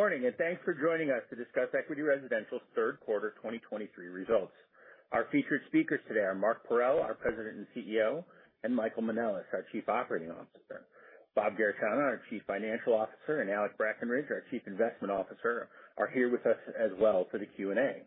Morning, and thanks for joining us to discuss Equity Residential's Q3 2023 results. Our featured speakers today are Mark Parrell, our President and CEO, and Michael Manelis, our Chief Operating Officer. Bob Garechana, our Chief Financial Officer, and Alec Brackenridge, our Chief Investment Officer, are here with us as well for the Q&A.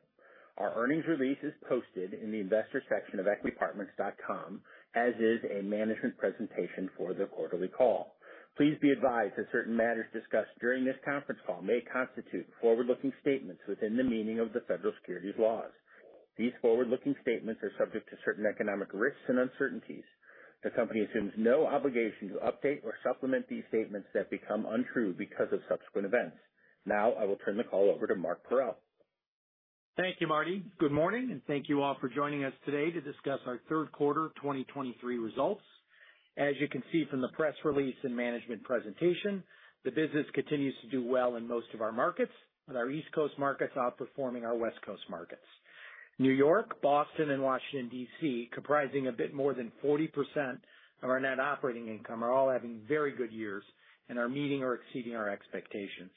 Our earnings release is posted in the investors section of equityapartments.com, as is a management presentation for the quarterly call. Please be advised that certain matters discussed during this conference call may constitute forward-looking statements within the meaning of the federal securities laws. These forward-looking statements are subject to certain economic risks and uncertainties. The company assumes no obligation to update or supplement these statements that become untrue because of subsequent events. Now I will turn the call over to Mark Parrell. Thank you, Marty. Good morning, and thank you all for joining us today to discuss our Q3 2023 results. As you can see from the press release and management presentation, the business continues to do well in most of our markets, with our East Coast markets outperforming our West Coast markets. New York, Boston, and Washington, D.C., comprising a bit more than 40% of our net operating income, are all having very good years and are meeting or exceeding our expectations.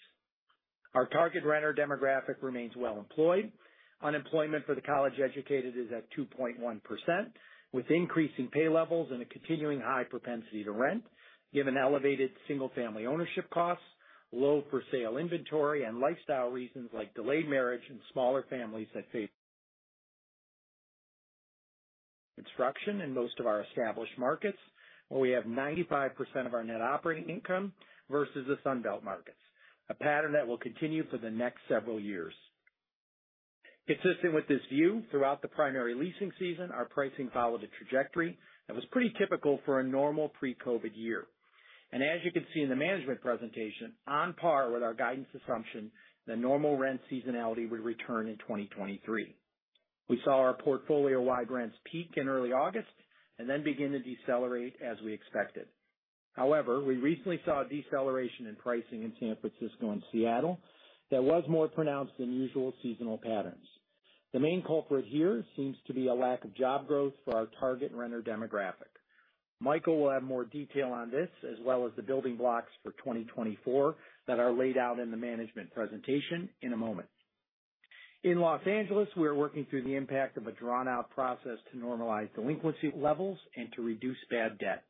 Our target renter demographic remains well-employed. Unemployment for the college-educated is at 2.1%, with increasing pay levels and a continuing high propensity to rent, given elevated single-family ownership costs, low for sale inventory, and lifestyle reasons like delayed marriage and smaller families that face construction in most of our established markets, where we have 95% of our net operating income versus the Sun Belt markets, a pattern that will continue for the next several years. Consistent with this view, throughout the primary leasing season, our pricing followed a trajectory that was pretty typical for a normal pre-COVID year. As you can see in the management presentation, on par with our guidance assumption, the normal rent seasonality would return in 2023. We saw our portfolio-wide rents peak in early August and then begin to decelerate as we expected. However, we recently saw a deceleration in pricing in San Francisco and Seattle that was more pronounced than usual seasonal patterns. The main culprit here seems to be a lack of job growth for our target renter demographic. Michael will have more detail on this, as well as the building blocks for 2024 that are laid out in the management presentation in a moment. In Los Angeles, we are working through the impact of a drawn-out process to normalize delinquency levels and to reduce bad debt.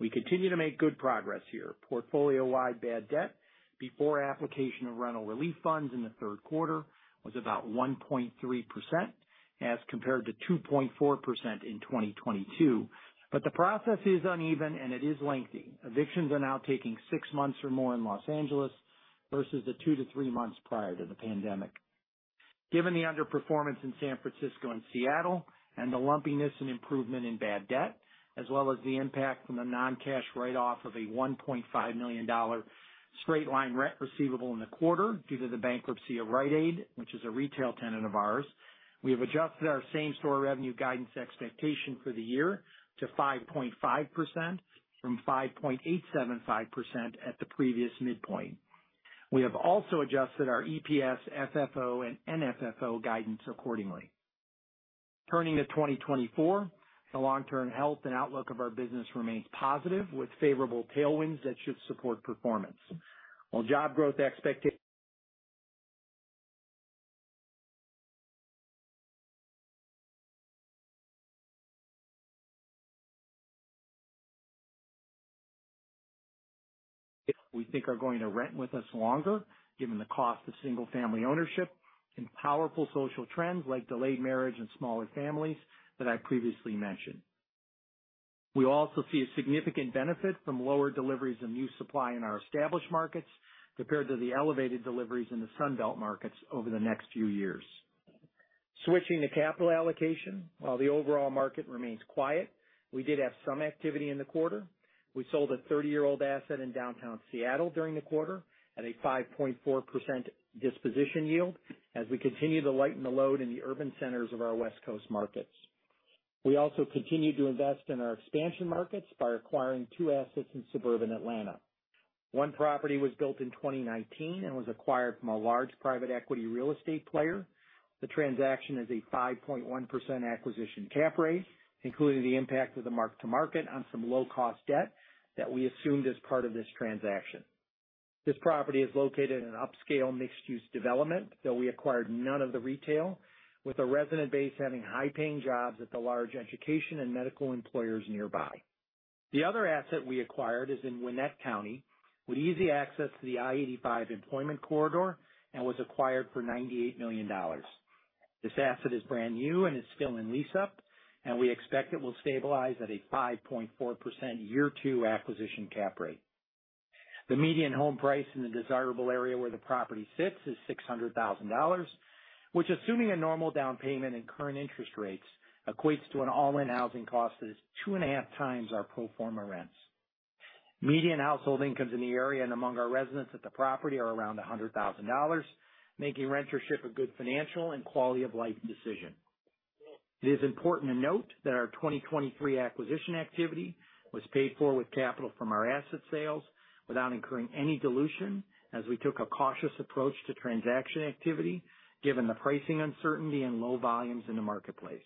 We continue to make good progress here. Portfolio-wide bad debt before application of rental relief funds in the Q3 was about 1.3%, as compared to 2.4% in 2022. But the process is uneven, and it is lengthy. Evictions are now taking 6 months or more in Los Angeles versus the 2-3 months prior to the pandemic. Given the underperformance in San Francisco and Seattle and the lumpiness and improvement in bad debt, as well as the impact from the non-cash write-off of a $1.5 million straight-line rent receivable in the quarter due to the bankruptcy of Rite Aid, which is a retail tenant of ours, we have adjusted our same-store revenue guidance expectation for the year to 5.5% from 5.875% at the previous midpoint. We have also adjusted our EPS, FFO, and NFFO guidance accordingly. Turning to 2024, the long-term health and outlook of our business remains positive, with favorable tailwinds that should support performance. While job growth expectations, we think, are going to rent with us longer, given the cost of single-family ownership and powerful social trends like delayed marriage and smaller families that I previously mentioned. We also see a significant benefit from lower deliveries of new supply in our established markets compared to the elevated deliveries in the Sun Belt markets over the next few years. Switching to capital allocation, while the overall market remains quiet, we did have some activity in the quarter. We sold a 30-year-old asset in downtown Seattle during the quarter at a 5.4% disposition yield as we continue to lighten the load in the urban centers of our West Coast markets. We also continued to invest in our expansion markets by acquiring 2 assets in suburban Atlanta. One property was built in 2019 and was acquired from a large private equity real estate player. The transaction is a 5.1% acquisition cap rate, including the impact of the mark-to-market on some low-cost debt that we assumed as part of this transaction. This property is located in an upscale, mixed-use development, though we acquired none of the retail, with a resident base having high-paying jobs at the large education and medical employers nearby. The other asset we acquired is in Gwinnett County, with easy access to the I-85 employment corridor and was acquired for $98 million. This asset is brand new and is still in lease-up, and we expect it will stabilize at a 5.4% year two acquisition cap rate. The median home price in the desirable area where the property sits is $600,000 which, assuming a normal down payment and current interest rates, equates to an all-in housing cost that is 2.5 times our pro forma rents. Median household incomes in the area and among our residents at the property are around $100,000, making rentership a good financial and quality of life decision. It is important to note that our 2023 acquisition activity was paid for with capital from our asset sales without incurring any dilution, as we took a cautious approach to transaction activity given the pricing uncertainty and low volumes in the marketplace....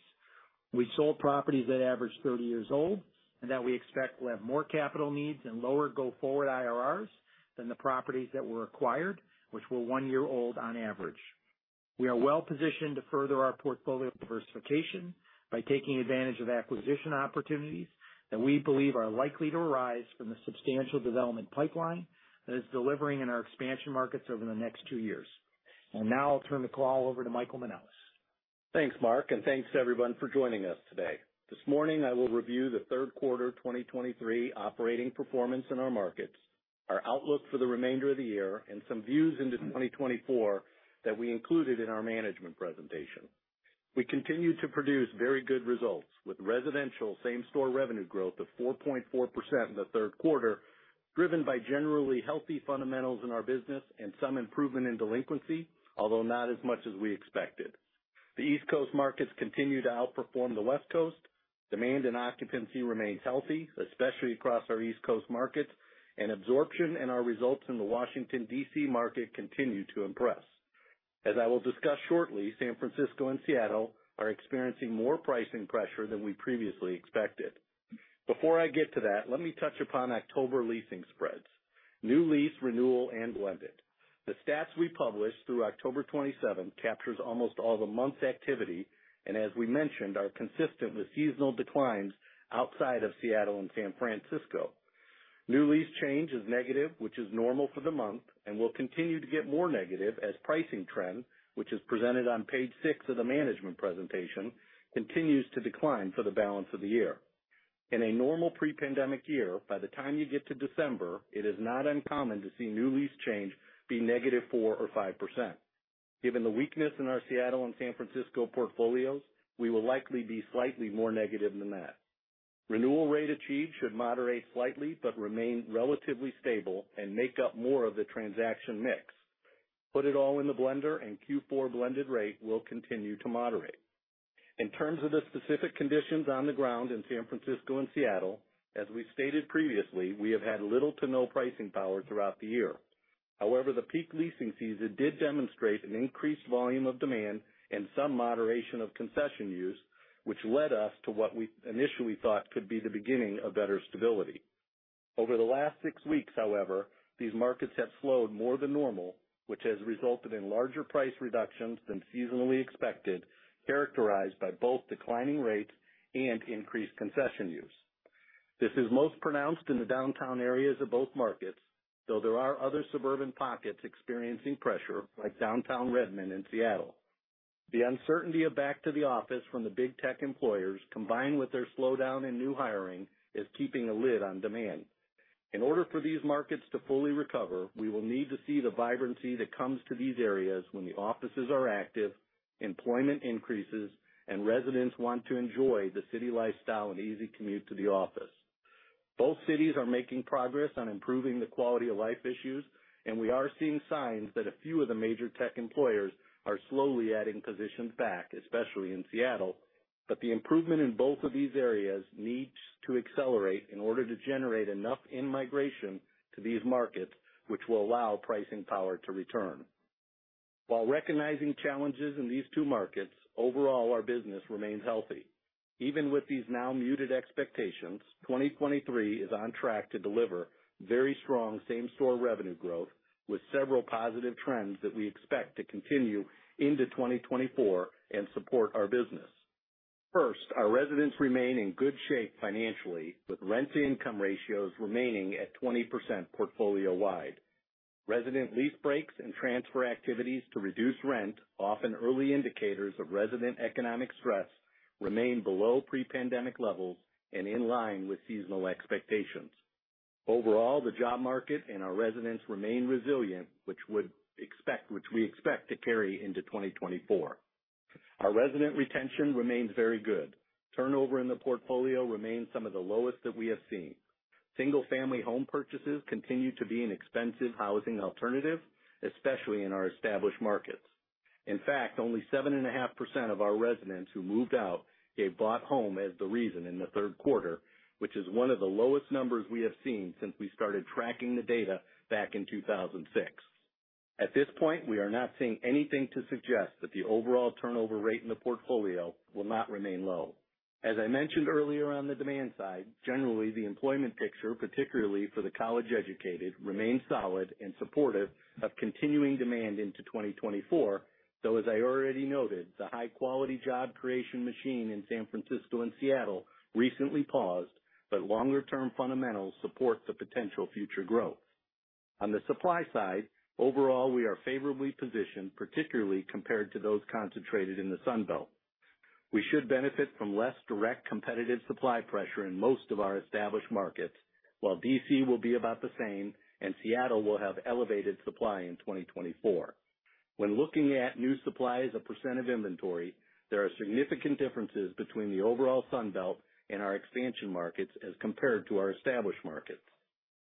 We sold properties that averaged 30 years old and that we expect will have more capital needs and lower go-forward IRRs than the properties that were acquired, which were 1 year old on average. We are well positioned to further our portfolio diversification by taking advantage of acquisition opportunities that we believe are likely to arise from the substantial development pipeline that is delivering in our expansion markets over the next 2 years. Now I'll turn the call over to Michael Manelis. Thanks, Mark, and thanks to everyone for joining us today. This morning, I will review the Q3 2023 operating performance in our markets, our outlook for the remainder of the year, and some views into 2024 that we included in our management presentation. We continued to produce very good results, with residential same-store revenue growth of 4.4% in the Q3, driven by generally healthy fundamentals in our business and some improvement in delinquency, although not as much as we expected. The East Coast markets continue to outperform the West Coast. Demand and occupancy remains healthy, especially across our East Coast markets, and absorption and our results in the Washington, D.C. market continue to impress. As I will discuss shortly, San Francisco and Seattle are experiencing more pricing pressure than we previously expected. Before I get to that, let me touch upon October leasing spreads, new lease, renewal, and blended. The stats we published through October 27 captures almost all the month's activity, and as we mentioned, are consistent with seasonal declines outside of Seattle and San Francisco. New lease change is negative, which is normal for the month, and will continue to get more negative as pricing trend, which is presented on page 6 of the management presentation, continues to decline for the balance of the year. In a normal pre-pandemic year, by the time you get to December, it is not uncommon to see new lease change be negative 4% or 5%. Given the weakness in our Seattle and San Francisco portfolios, we will likely be slightly more negative than that. Renewal rate achieved should moderate slightly, but remain relatively stable and make up more of the transaction mix. Put it all in the blender, and Q4 blended rate will continue to moderate. In terms of the specific conditions on the ground in San Francisco and Seattle, as we've stated previously, we have had little to no pricing power throughout the year. However, the peak leasing season did demonstrate an increased volume of demand and some moderation of concession use, which led us to what we initially thought could be the beginning of better stability. Over the last six weeks, however, these markets have slowed more than normal, which has resulted in larger price reductions than seasonally expected, characterized by both declining rates and increased concession use. This is most pronounced in the downtown areas of both markets, though there are other suburban pockets experiencing pressure, like downtown Redmond in Seattle. The uncertainty of back to the office from the big tech employers, combined with their slowdown in new hiring, is keeping a lid on demand. In order for these markets to fully recover, we will need to see the vibrancy that comes to these areas when the offices are active, employment increases, and residents want to enjoy the city lifestyle and easy commute to the office. Both cities are making progress on improving the quality-of-life issues, and we are seeing signs that a few of the major tech employers are slowly adding positions back, especially in Seattle. But the improvement in both of these areas needs to accelerate in order to generate enough in-migration to these markets, which will allow pricing power to return. While recognizing challenges in these two markets, overall, our business remains healthy. Even with these now muted expectations, 2023 is on track to deliver very strong same-store revenue growth, with several positive trends that we expect to continue into 2024 and support our business. First, our residents remain in good shape financially, with rent-to-income ratios remaining at 20% portfolio-wide. Resident lease breaks and transfer activities to reduce rent, often early indicators of resident economic stress, remain below pre-pandemic levels and in line with seasonal expectations. Overall, the job market and our residents remain resilient, which we expect to carry into 2024. Our resident retention remains very good. Turnover in the portfolio remains some of the lowest that we have seen. Single-family home purchases continue to be an expensive housing alternative, especially in our established markets. In fact, only 7.5% of our residents who moved out gave bought a home as the reason in the Q3, which is one of the lowest numbers we have seen since we started tracking the data back in 2006. At this point, we are not seeing anything to suggest that the overall turnover rate in the portfolio will not remain low. As I mentioned earlier on the demand side, generally, the employment picture, particularly for the college-educated, remains solid and supportive of continuing demand into 2024. Though as I already noted, the high-quality job creation machine in San Francisco and Seattle recently paused, but longer-term fundamentals support the potential future growth. On the supply side, overall, we are favorably positioned, particularly compared to those concentrated in the Sun Belt. We should benefit from less direct competitive supply pressure in most of our established markets, while D.C. will be about the same and Seattle will have elevated supply in 2024. When looking at new supply as a percent of inventory, there are significant differences between the overall Sun Belt and our expansion markets as compared to our established markets.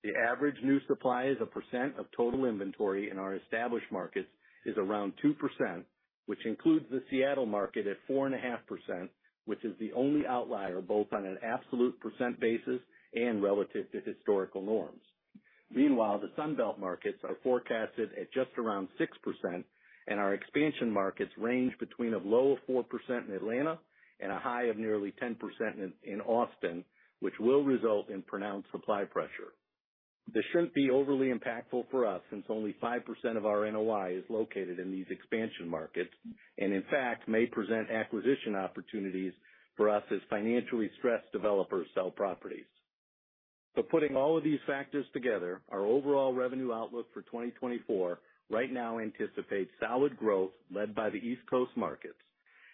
The average new supply as a percent of total inventory in our established markets is around 2%, which includes the Seattle market at 4.5%, which is the only outlier, both on an absolute percent basis and relative to historical norms. Meanwhile, the Sun Belt markets are forecasted at just around 6%, and our expansion markets range between a low of 4% in Atlanta and a high of nearly 10% in Austin, which will result in pronounced supply pressure. This shouldn't be overly impactful for us, since only 5% of our NOI is located in these expansion markets, and in fact, may present acquisition opportunities for us as financially stressed developers sell properties. So putting all of these factors together, our overall revenue outlook for 2024 right now anticipates solid growth led by the East Coast markets.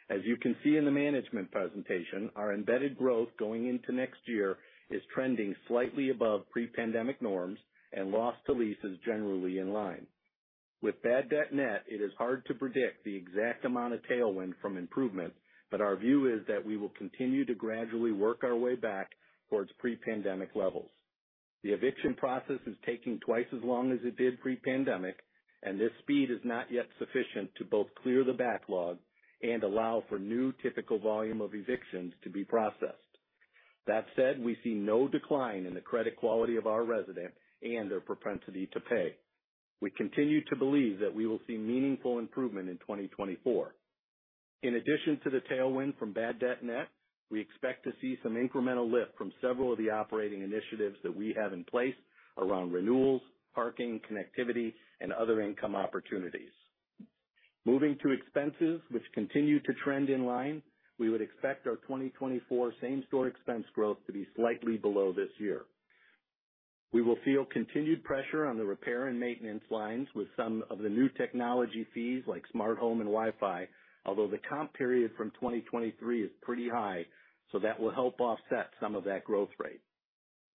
As you can see in the management presentation, our embedded growth going into next year is trending slightly above pre-pandemic norms, and loss to lease is generally in line. With bad debt net, it is hard to predict the exact amount of tailwind from improvement, but our view is that we will continue to gradually work our way back towards pre-pandemic levels. The eviction process is taking twice as long as it did pre-pandemic, and this speed is not yet sufficient to both clear the backlog and allow for new typical volume of evictions to be processed. That said, we see no decline in the credit quality of our resident and their propensity to pay. We continue to believe that we will see meaningful improvement in 2024. In addition to the tailwind from bad debt net, we expect to see some incremental lift from several of the operating initiatives that we have in place around renewals, parking, connectivity, and other income opportunities. Moving to expenses, which continue to trend in line, we would expect our 2024 same-store expense growth to be slightly below this year. We will feel continued pressure on the repair and maintenance lines with some of the new technology fees like smart home and Wi-Fi, although the comp period from 2023 is pretty high, so that will help offset some of that growth rate.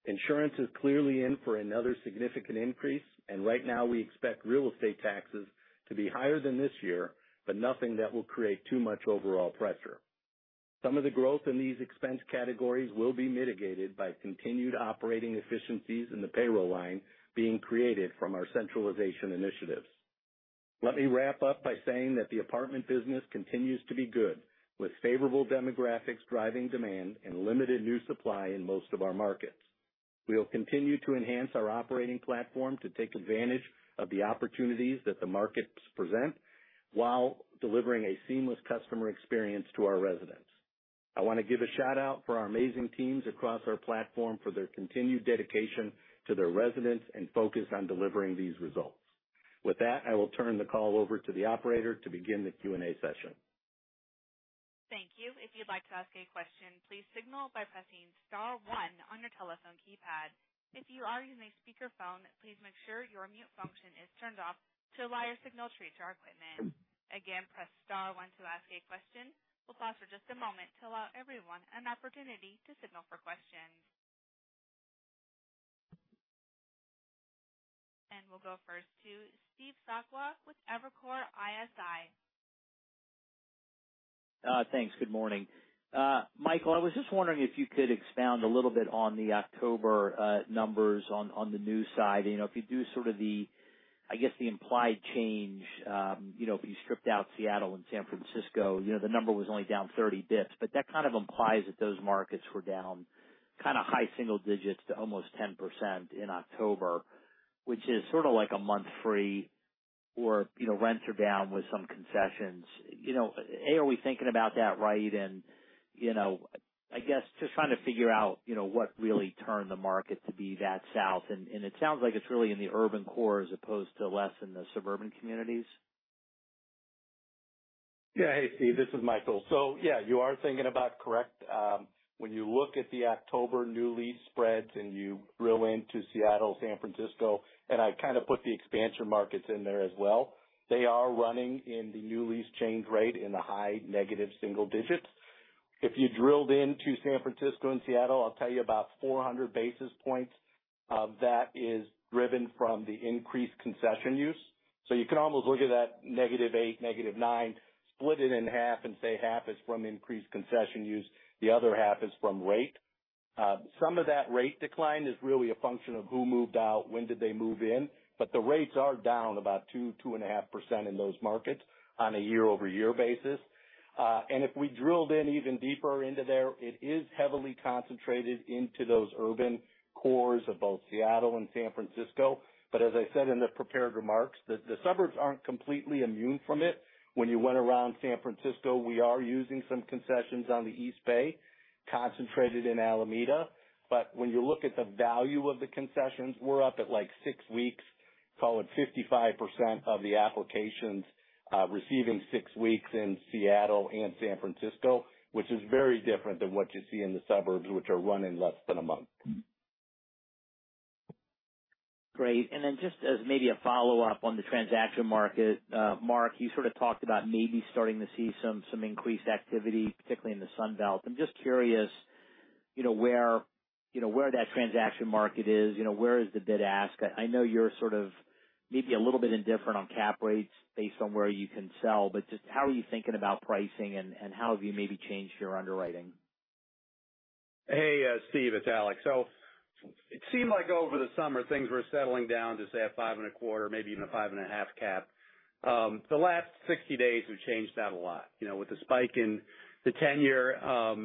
Insurance is clearly in for another significant increase, and right now we expect real estate taxes to be higher than this year, but nothing that will create too much overall pressure. Some of the growth in these expense categories will be mitigated by continued operating efficiencies in the payroll line being created from our centralization initiatives. Let me wrap up by saying that the apartment business continues to be good, with favorable demographics driving demand and limited new supply in most of our markets. We'll continue to enhance our operating platform to take advantage of the opportunities that the markets present, while delivering a seamless customer experience to our residents. I want to give a shout-out for our amazing teams across our platform, for their continued dedication to their residents and focus on delivering these results. With that, I will turn the call over to the operator to begin the Q&A session. Thank you. If you'd like to ask a question, please signal by pressing star 1 on your telephone keypad. If you are using a speakerphone, please make sure your mute function is turned off to allow your signal through to our equipment. Again, press star one to ask a question. We'll pause for just a moment to allow everyone an opportunity to signal for questions. We'll go first to Steve Sakwa with Evercore ISI. Thanks. Good morning. Michael, I was just wondering if you could expound a little bit on the October numbers on the new side. You know, if you do sort of the, I guess, the implied change, you know, if you stripped out Seattle and San Francisco, you know, the number was only down 30 basis points, but that kind of implies that those markets were down kind of high single digits to almost 10% in October, which is sort of like a month free or, you know, rents are down with some concessions. You know, A, are we thinking about that right? And, you know, I guess just trying to figure out, you know, what really turned the market to be that south. And it sounds like it's really in the urban core as opposed to less in the suburban communities. Yeah. Hey, Steve, this is Michael. So yeah, you are thinking about correct. When you look at the October new lease spreads and you drill into Seattle, San Francisco, and I kind of put the expansion markets in there as well, they are running in the new lease change rate in the high negative single digits. If you drilled into San Francisco and Seattle, I'll tell you about 400 basis points. That is driven from the increased concession use. So you can almost look at that negative 8, negative 9, split it in half and say half is from increased concession use, the other half is from rate. Some of that rate decline is really a function of who moved out, when did they move in, but the rates are down about 2-2.5% in those markets on a year-over-year basis. And if we drilled in even deeper into there, it is heavily concentrated into those urban cores of both Seattle and San Francisco. But as I said in the prepared remarks, the suburbs aren't completely immune from it. When you went around San Francisco, we are using some concessions on the East Bay, concentrated in Alameda. But when you look at the value of the concessions, we're up at like 6 weeks, call it 55% of the applications, receiving 6 weeks in Seattle and San Francisco, which is very different than what you see in the suburbs, which are running less than a month. Great. And then just as maybe a follow-up on the transaction market, Mark, you sort of talked about maybe starting to see some increased activity, particularly in the Sun Belt. I'm just curious, you know, where, you know, where that transaction market is, you know, where is the bid-ask? I know you're sort of maybe a little bit indifferent on cap rates based on where you can sell, but just how are you thinking about pricing and how have you maybe changed your underwriting? Hey, Steve, it's Alex. So it seemed like over the summer, things were settling down to say a 5.25, maybe even a 5.5 cap. The last 60 days have changed that a lot. You know, with the spike in the tenure,...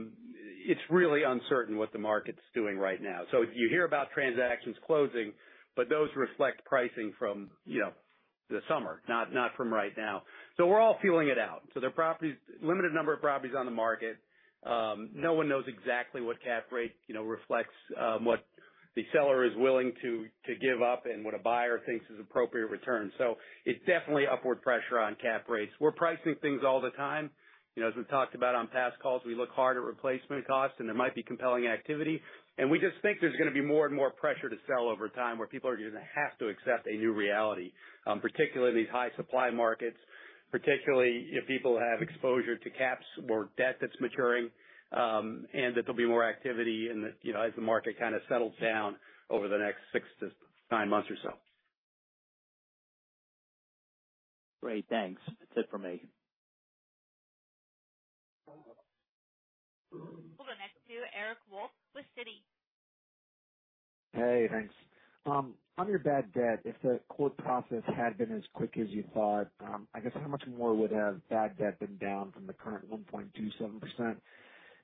It's really uncertain what the market's doing right now. So you hear about transactions closing, but those reflect pricing from, you know, the summer, not, not from right now. So we're all feeling it out. So there are properties, limited number of properties on the market. No one knows exactly what cap rate, you know, reflects, what the seller is willing to, to give up and what a buyer thinks is appropriate return. So it's definitely upward pressure on cap rates. We're pricing things all the time. You know, as we've talked about on past calls, we look hard at replacement costs, and there might be compelling activity. We just think there's going to be more and more pressure to sell over time, where people are going to have to accept a new reality, particularly in these high supply markets, particularly if people have exposure to caps or debt that's maturing, and that there'll be more activity in the... You know, as the market kind of settles down over the next 6-9 months or so. Great, thanks. That's it for me. We'll go next to Eric Wolfe with Citi. Hey, thanks. On your bad debt, if the court process had been as quick as you thought, I guess how much more would have bad debt been down from the current 1.27%?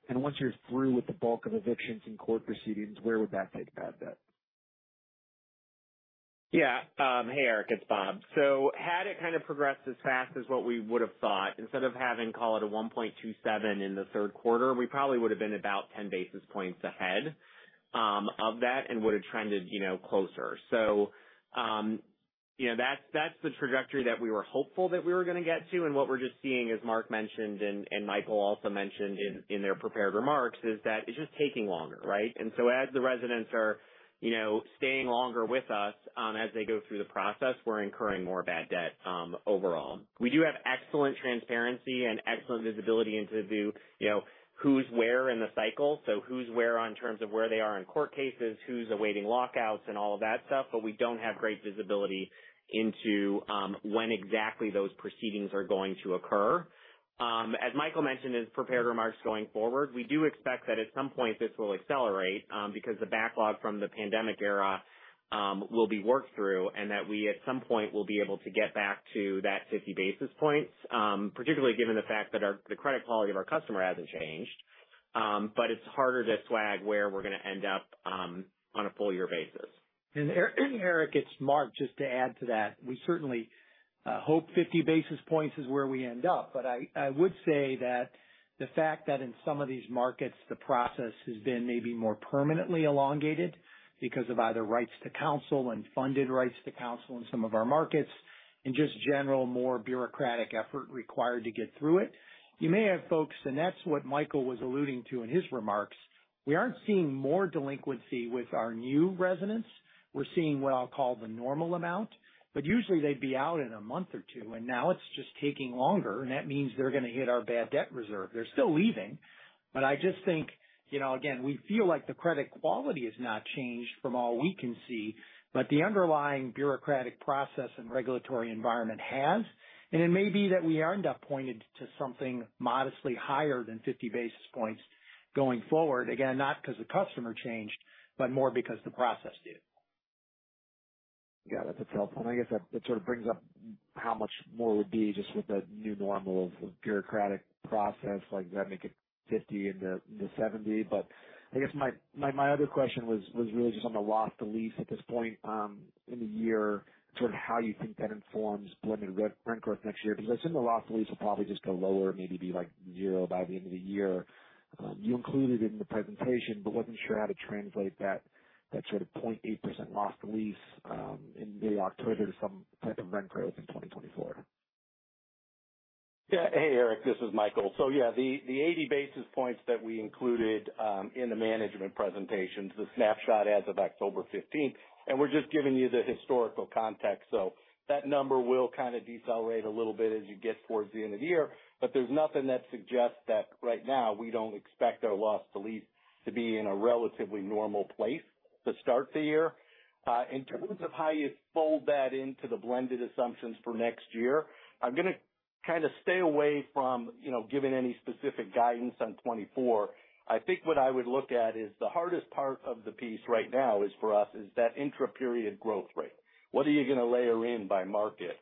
And once you're through with the bulk of evictions and court proceedings, where would that take bad debt? Yeah. Hey, Eric, it's Bob. So had it kind of progressed as fast as what we would have thought, instead of having, call it, a 1.27 in the Q3, we probably would have been about 10 basis points ahead of that and would have trended, you know, closer. So, you know, that's the trajectory that we were hopeful that we were going to get to. And what we're just seeing, as Mark mentioned and, and Michael also mentioned in, in their prepared remarks, is that it's just taking longer, right? And so as the residents are, you know, staying longer with us, as they go through the process, we're incurring more bad debt overall. We do have excellent transparency and excellent visibility into the, you know, who's where in the cycle, so who's where on terms of where they are in court cases, who's awaiting lockouts and all of that stuff. But we don't have great visibility into when exactly those proceedings are going to occur. As Michael mentioned in his prepared remarks, going forward, we do expect that at some point, this will accelerate because the backlog from the pandemic era will be worked through, and that we, at some point, will be able to get back to that 50 basis points, particularly given the fact that our, the credit quality of our customer hasn't changed. But it's harder to swag where we're going to end up on a full year basis. And Eric, it's Mark. Just to add to that, we certainly hope 50 basis points is where we end up. But I, I would say that the fact that in some of these markets, the process has been maybe more permanently elongated because of either rights to counsel and funded rights to counsel in some of our markets, and just general, more bureaucratic effort required to get through it. You may have folks, and that's what Michael was alluding to in his remarks. We aren't seeing more delinquency with our new residents. We're seeing what I'll call the normal amount, but usually they'd be out in a month or two, and now it's just taking longer, and that means they're going to hit our bad debt reserve. They're still leaving, but I just think, you know, again, we feel like the credit quality has not changed from all we can see, but the underlying bureaucratic process and regulatory environment has, and it may be that we end up pointing to something modestly higher than 50 basis points going forward. Again, not because the customer changed, but more because the process did. Yeah, that's helpful. And I guess that sort of brings up how much more would be just with the new normal of bureaucratic process, like, does that make it 50 into the 70? But I guess my other question was really just on the loss to lease at this point in the year, sort of how you think that informs blended re-rent growth next year, because I assume the loss to lease will probably just go lower, maybe be like 0 by the end of the year. You included it in the presentation, but wasn't sure how to translate that sort of 0.8% loss to lease in mid-October to some type of rent growth in 2024. Yeah. Hey, Eric, this is Michael. So yeah, the eighty basis points that we included in the management presentation is a snapshot as of October fifteenth, and we're just giving you the historical context. So that number will kind of decelerate a little bit as you get towards the end of the year, but there's nothing that suggests that right now we don't expect our loss to lease to be in a relatively normal place to start the year. In terms of how you fold that into the blended assumptions for next year, I'm going to kind of stay away from, you know, giving any specific guidance on 2024. I think what I would look at is the hardest part of the piece right now is for us, is that intra-period growth rate. What are you going to layer in by market?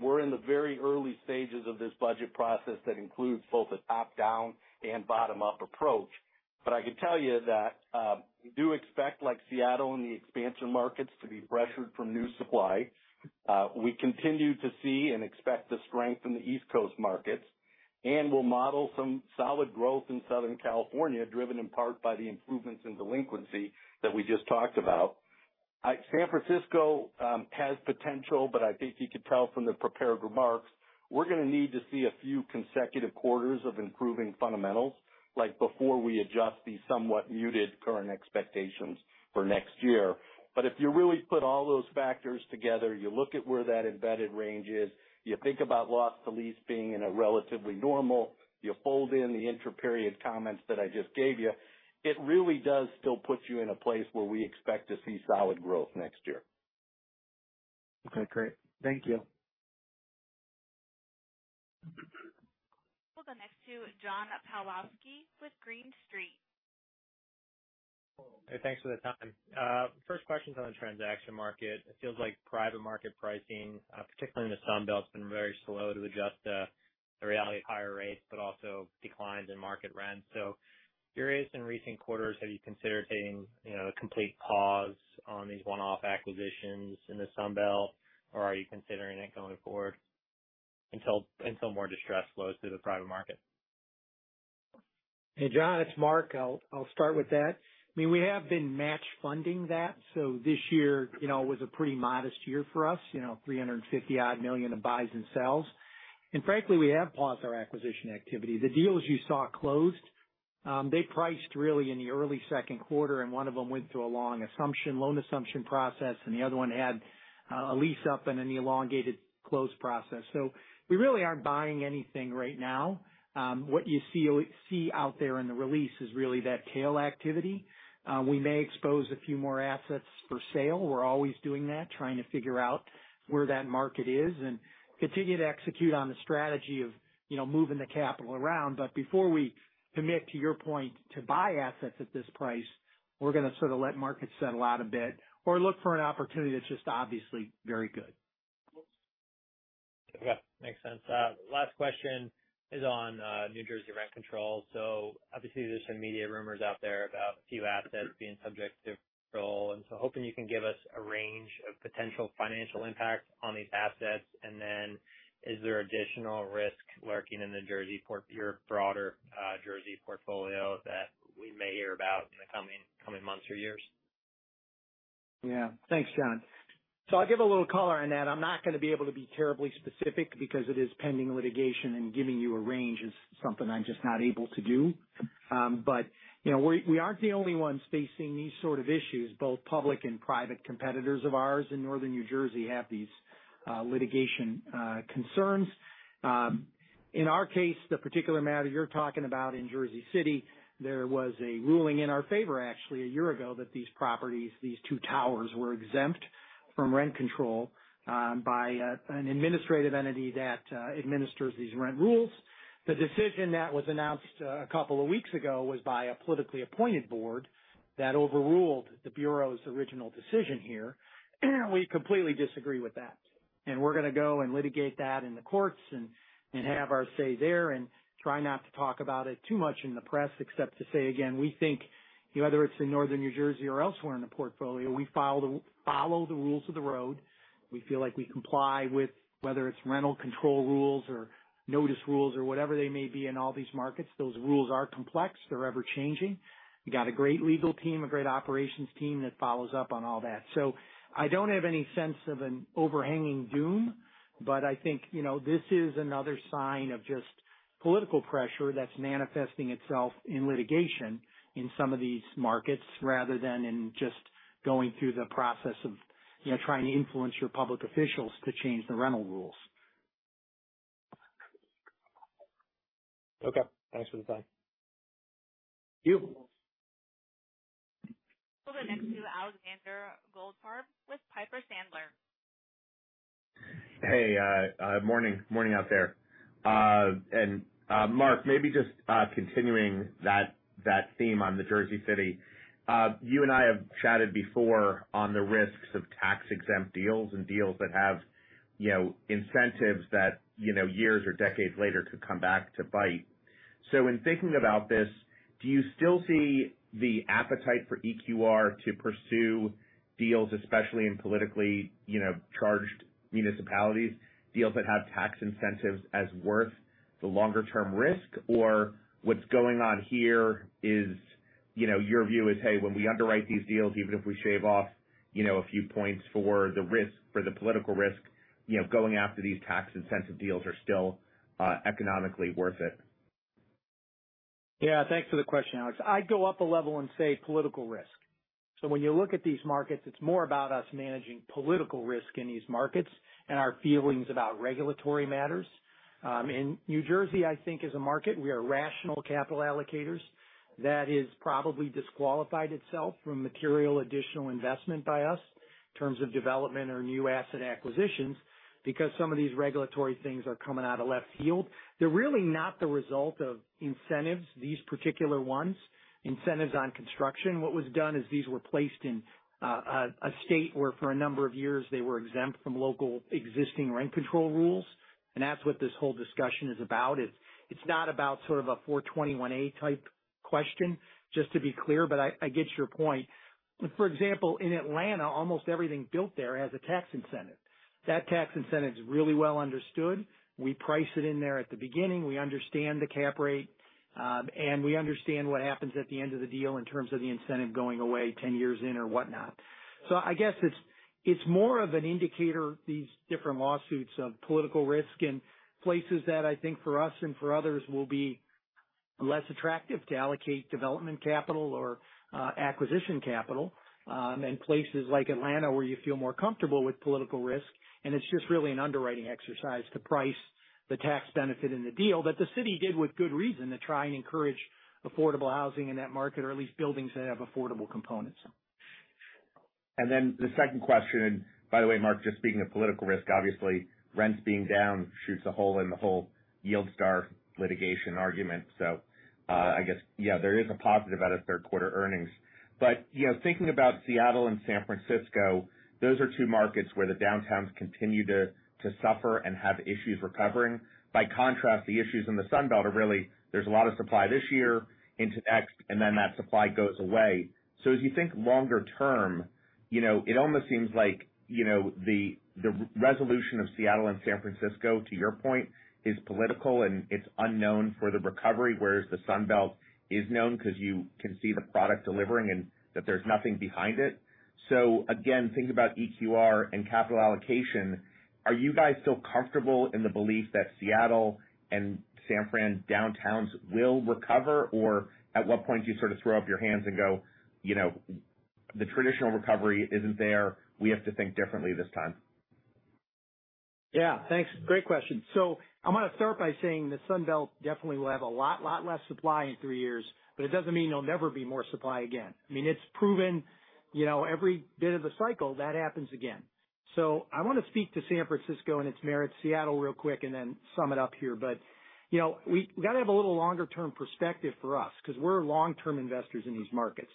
We're in the very early stages of this budget process that includes both a top-down and bottom-up approach. But I can tell you that, we do expect, like Seattle and the expansion markets, to be pressured from new supply. We continue to see and expect the strength in the East Coast markets, and we'll model some solid growth in Southern California, driven in part by the improvements in delinquency that we just talked about. San Francisco has potential, but I think you could tell from the prepared remarks, we're going to need to see a few consecutive quarters of improving fundamentals, like, before we adjust the somewhat muted current expectations for next year. But if you really put all those factors together, you look at where that embedded range is, you think about Loss to Lease being in a relatively normal, you fold in the intra-period comments that I just gave you, it really does still put you in a place where we expect to see solid growth next year. Okay, great. Thank you. We'll go next to John Pawlowski with Green Street. ... Hey, thanks for the time. First question's on the transaction market. It feels like private market pricing, particularly in the Sun Belt, has been very slow to adjust to the reality of higher rates, but also declines in market rents. So curious, in recent quarters, have you considered taking, you know, a complete pause on these one-off acquisitions in the Sun Belt, or are you considering it going forward until more distress flows through the private market? Hey, John, it's Mark. I'll, I'll start with that. I mean, we have been match funding that, so this year, you know, was a pretty modest year for us. You know, $350-odd million in buys and sells. Frankly, we have paused our acquisition activity. The deals you saw closed, they priced really in the early Q2, and one of them went through a long assumption, loan assumption process, and the other one had a lease up and an elongated close process. So we really aren't buying anything right now. What you see out there in the release is really that tail activity. We may expose a few more assets for sale. We're always doing that, trying to figure out where that market is and continue to execute on the strategy of, you know, moving the capital around. But before we commit to your point, to buy assets at this price, we're gonna sort of let markets settle out a bit or look for an opportunity that's just obviously very good. Okay. Makes sense. Last question is on New Jersey rent control. So obviously, there's some media rumors out there about a few assets being subject to control, and so hoping you can give us a range of potential financial impact on these assets. And then is there additional risk lurking in the Jersey, your broader Jersey portfolio that we may hear about in the coming months or years? Yeah. Thanks, John. So I'll give a little color on that. I'm not gonna be able to be terribly specific because it is pending litigation, and giving you a range is something I'm just not able to do. But, you know, we, we aren't the only ones facing these sort of issues. Both public and private competitors of ours in northern New Jersey have these litigation concerns. In our case, the particular matter you're talking about in Jersey City, there was a ruling in our favor actually a year ago, that these properties, these 2 towers, were exempt from rent control by an administrative entity that administers these rent rules. The decision that was announced a couple of weeks ago was by a politically appointed board that overruled the bureau's original decision here. We completely disagree with that, and we're gonna go and litigate that in the courts and have our say there and try not to talk about it too much in the press, except to say again, we think, you know, whether it's in northern New Jersey or elsewhere in the portfolio, we follow the rules of the road. We feel like we comply with whether it's rent control rules or notice rules or whatever they may be in all these markets. Those rules are complex. They're ever-changing. We've got a great legal team, a great operations team that follows up on all that. I don't have any sense of an overhanging doom, but I think, you know, this is another sign of just political pressure that's manifesting itself in litigation in some of these markets, rather than in just going through the process of, you know, trying to influence your public officials to change the rental rules. Okay. Thanks for the time. Thank you. We'll go next to Alexander Goldfarb with Piper Sandler. Hey, morning. Morning out there. And, Mark, maybe just continuing that theme on the Jersey City. You and I have chatted before on the risks of tax-exempt deals and deals that have, you know, incentives that, you know, years or decades later could come back to bite. So in thinking about this, do you still see the appetite for EQR to pursue deals, especially in politically, you know, charged municipalities, deals that have tax incentives as worth the longer term risk? Or what's going on here is, you know, your view is, hey, when we underwrite these deals, even if we shave off, you know, a few points for the risk, for the political risk, you know, going after these tax incentive deals are still economically worth it? Yeah, thanks for the question, Alex. I'd go up a level and say political risk. So when you look at these markets, it's more about us managing political risk in these markets and our feelings about regulatory matters. In New Jersey, I think as a market, we are rational capital allocators. That has probably disqualified itself from material additional investment by us in terms of development or new asset acquisitions, because some of these regulatory things are coming out of left field. They're really not the result of incentives, these particular ones, incentives on construction. What was done is these were placed in a state where for a number of years, they were exempt from local existing rent control rules. And that's what this whole discussion is about. It's not about sort of a 421-a type question, just to be clear, but I get your point. For example, in Atlanta, almost everything built there has a tax incentive. That tax incentive is really well understood. We price it in there at the beginning. We understand the cap rate, and we understand what happens at the end of the deal in terms of the incentive going away 10 years in or whatnot. So I guess it's more of an indicator, these different lawsuits of political risk in places that I think for us and for others, will be less attractive to allocate development capital or, acquisition capital, than places like Atlanta, where you feel more comfortable with political risk, and it's just really an underwriting exercise to price the tax benefit in the deal that the city did with good reason, to try and encourage affordable housing in that market, or at least buildings that have affordable components. The second question, by the way, Mark, just speaking of political risk, obviously rents being down shoots a hole in the whole YieldStar litigation argument. So, I guess, yeah, there is a positive out of Q3 earnings. But, you know, thinking about Seattle and San Francisco, those are 2 markets where the downtowns continue to suffer and have issues recovering. By contrast, the issues in the Sun Belt are really, there's a lot of supply this year into next, and then that supply goes away. So as you think longer term, you know, it almost seems like, you know, the resolution of Seattle and San Francisco, to your point, is political and it's unknown for the recovery, whereas the Sun Belt is known because you can see the product delivering and that there's nothing behind it. So again, thinking about EQR and capital allocation, are you guys still comfortable in the belief that Seattle and San Fran downtowns will recover? Or at what point do you sort of throw up your hands and go, "You know, the traditional recovery isn't there, we have to think differently this time? Yeah, thanks. Great question. So I'm going to start by saying that Sun Belt definitely will have a lot, lot less supply in three years, but it doesn't mean there'll never be more supply again. I mean, it's proven, you know, every bit of the cycle that happens again. So I want to speak to San Francisco and its merits, Seattle real quick, and then sum it up here. But, you know, we gotta have a little longer-term perspective for us because we're long-term investors in these markets.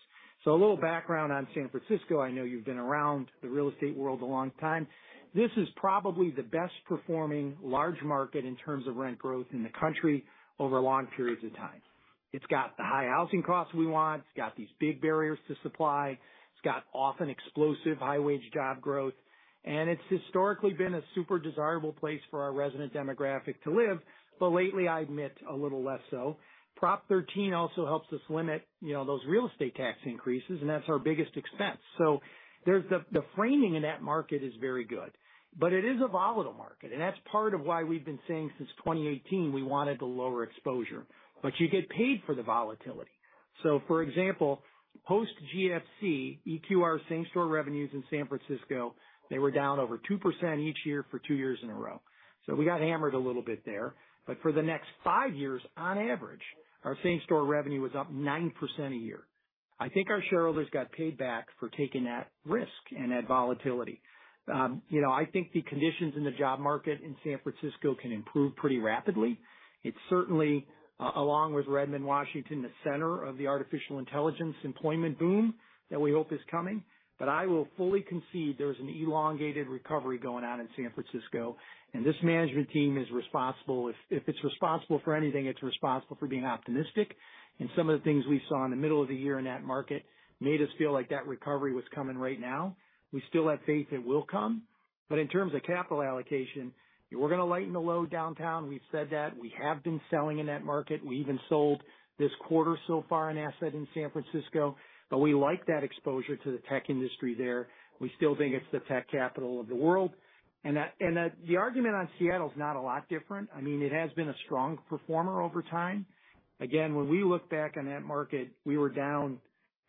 So a little background on San Francisco. I know you've been around the real estate world a long time. This is probably the best performing large market in terms of rent growth in the country over long periods of time. It's got the high housing costs we want. It's got these big barriers to supply. It's got often explosive high-wage job growth, and it's historically been a super desirable place for our resident demographic to live. But lately, I admit, a little less so. Prop 13 also helps us limit, you know, those real estate tax increases, and that's our biggest expense. So there's the framing in that market is very good, but it is a volatile market, and that's part of why we've been saying since 2018 we wanted to lower exposure. But you get paid for the volatility. So for example, post GFC, EQR, same store revenues in San Francisco, they were down over 2% each year for 2 years in a row. So we got hammered a little bit there. But for the next 5 years, on average, our same store revenue was up 9% a year. I think our shareholders got paid back for taking that risk and that volatility. You know, I think the conditions in the job market in San Francisco can improve pretty rapidly. It's certainly, along with Redmond, Washington, the center of the artificial intelligence employment boom that we hope is coming. But I will fully concede there's an elongated recovery going on in San Francisco, and this management team is responsible. If it's responsible for anything, it's responsible for being optimistic. And some of the things we saw in the middle of the year in that market made us feel like that recovery was coming right now. We still have faith it will come, but in terms of capital allocation, we're going to lighten the load downtown. We've said that. We have been selling in that market. We even sold this quarter so far, an asset in San Francisco. But we like that exposure to the tech industry there. We still think it's the tech capital of the world, and that. The argument on Seattle is not a lot different. I mean, it has been a strong performer over time. Again, when we look back on that market, we were down,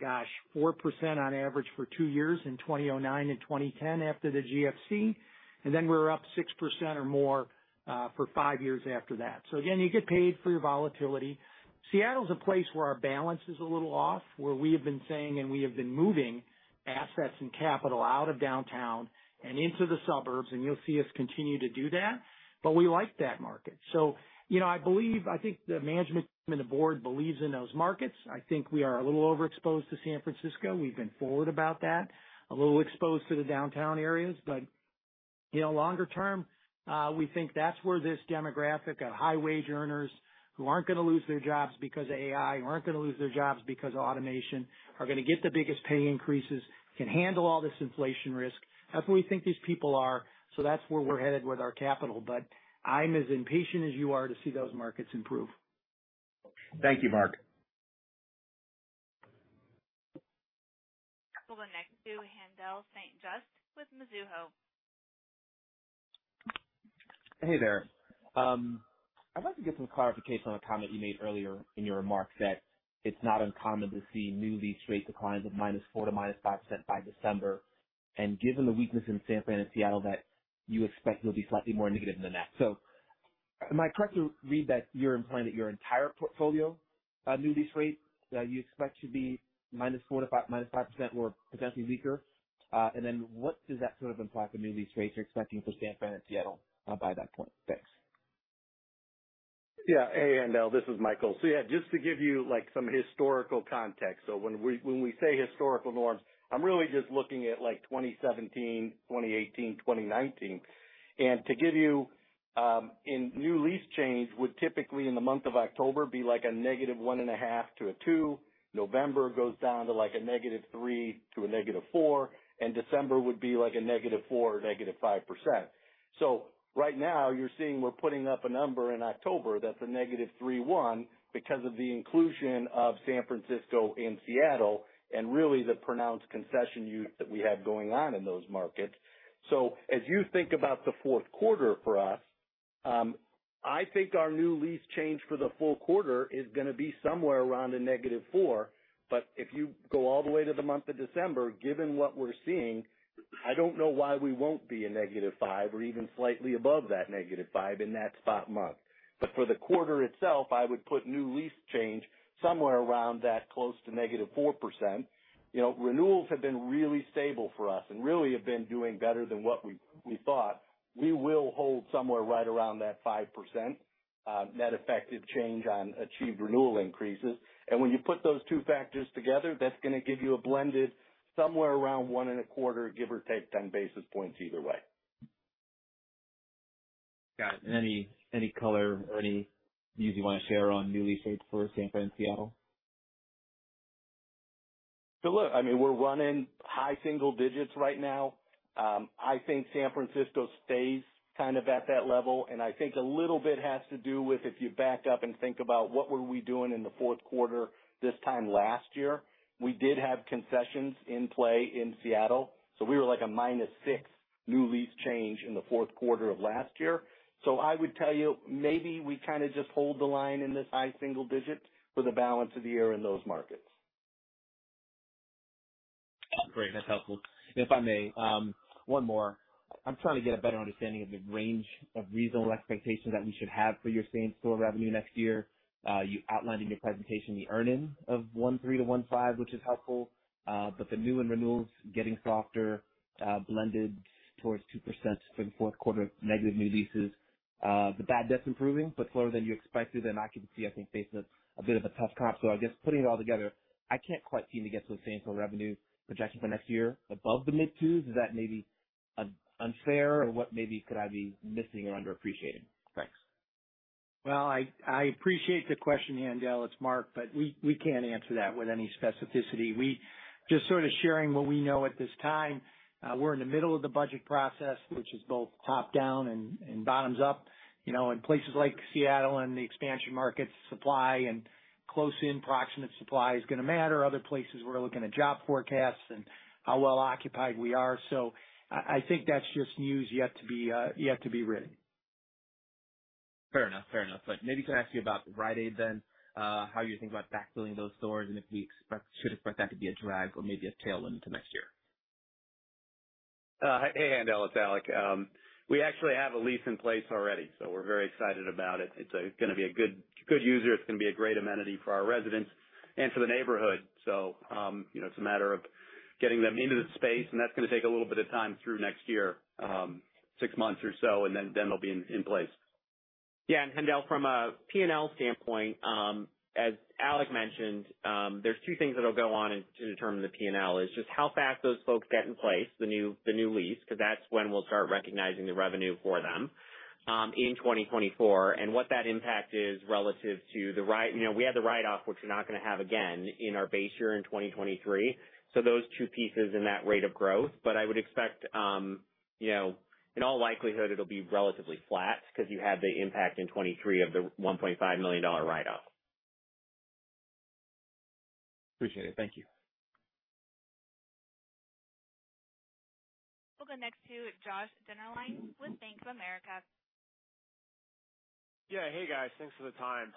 gosh, 4% on average for 2 years in 2009 and 2010 after the GFC, and then we were up 6% or more for five years after that. So again, you get paid for your volatility. Seattle is a place where our balance is a little off, where we have been saying and we have been moving assets and capital out of downtown and into the suburbs, and you'll see us continue to do that. But we like that market. So, you know, I believe. I think the management and the board believes in those markets. I think we are a little overexposed to San Francisco. We've been forward about that. A little exposed to the downtown areas, but, you know, longer term, we think that's where this demographic of high-wage earners who aren't going to lose their jobs because of AI, who aren't going to lose their jobs because of automation, are going to get the biggest pay increases, can handle all this inflation risk. That's what we think these people are, so that's where we're headed with our capital. But I'm as impatient as you are to see those markets improve. Thank you, Mark. We'll go next to Haendel St. Juste with Mizuho. Hey there. I'd like to get some clarification on a comment you made earlier in your remarks, that it's not uncommon to see new lease rate declines of -4% to -5% by December, and given the weakness in San Fran and Seattle, that you expect you'll be slightly more negative than that. So am I correct to read that you're implying that your entire portfolio, new lease rate, you expect to be -4% to -5% or potentially weaker? And then what does that sort of imply for new lease rates you're expecting for San Fran and Seattle, by that point? Thanks. Yeah. Hey, Haendel, this is Michael. So yeah, just to give you, like, some historical context. So when we, when we say historical norms, I'm really just looking at, like, 2017, 2018, 2019. And to give you, in new lease change, would typically in the month of October, be like a -1.5% to -2%. November goes down to, like, a -3% to -4%, and December would be, like, a -4% or -5%. So right now you're seeing we're putting up a number in October that's a -3.1% because of the inclusion of San Francisco and Seattle and really the pronounced concession use that we have going on in those markets. So as you think about the Q4 for us, I think our new lease change for the full quarter is going to be somewhere around -4. But if you go all the way to the month of December, given what we're seeing, I don't know why we won't be -5 or even slightly above that -5 in that spot month. But for the quarter itself, I would put new lease change somewhere around that close to -4%. You know, renewals have been really stable for us and really have been doing better than what we thought. We will hold somewhere right around that 5%, net effective change on achieved renewal increases. When you put those two factors together, that's going to give you a blended somewhere around 1.25, give or take 10 basis points either way. Got it. And any, any color or any news you want to share on new lease rates for San Fran and Seattle? So look, I mean, we're running high single digits right now. I think San Francisco stays kind of at that level, and I think a little bit has to do with, if you back up and think about what were we doing in the Q4 this time last year, we did have concessions in play in Seattle, so we were like a -6 new lease change in the Q4 of last year. So I would tell you, maybe we kind of just hold the line in this high single digits for the balance of the year in those markets. Great. That's helpful. If I may, one more. I'm trying to get a better understanding of the range of reasonable expectations that we should have for your same-store revenue next year. You outlined in your presentation the earnings of $1.3-$1.5, which is helpful, but the new and renewals getting softer, blended towards 2% for the Q4, negative new leases. The bad debt's improving, but slower than you expected, and occupancy, I think, faces a bit of a tough comp. So I guess putting it all together, I can't quite seem to get to those same-store revenue projections for next year above the mid-2s. Is that maybe unfair, or what maybe could I be missing or underappreciating? Thanks. Well, I appreciate the question, Haendel. It's Mark, but we can't answer that with any specificity. We just sort of sharing what we know at this time. We're in the middle of the budget process, which is both top down and bottoms up. You know, in places like Seattle and the expansion markets, supply and close in proximate supply is going to matter. Other places, we're looking at job forecasts and how well occupied we are. So I think that's just news yet to be written. Fair enough. Fair enough. But maybe can I ask you about the Rite Aid then? How you think about backfilling those stores, and if we expect- should expect that to be a drag or maybe a tailwind into next year? Hey, Haendel, it's Alec. We actually have a lease in place already, so we're very excited about it. It's going to be a good, good user. It's going to be a great amenity for our residents and for the neighborhood. So, you know, it's a matter of getting them into the space, and that's going to take a little bit of time through next year, six months or so, and then, then they'll be in, in place. Yeah, and Handel, from a P&L standpoint, as Alec mentioned, there's two things that'll go on to determine the P&L is just how fast those folks get in place, the new lease, because that's when we'll start recognizing the revenue for them, in 2024, and what that impact is relative to the Rite Aid. You know, we had the write-off, which we're not going to have again in our base year in 2023. So those two pieces in that rate of growth, but I would expect, you know, in all likelihood, it'll be relatively flat because you had the impact in 2023 of the $1.5 million write-off. Appreciate it. Thank you. We'll go next to Josh Dennerlein with Bank of America. Yeah. Hey, guys. Thanks for the time.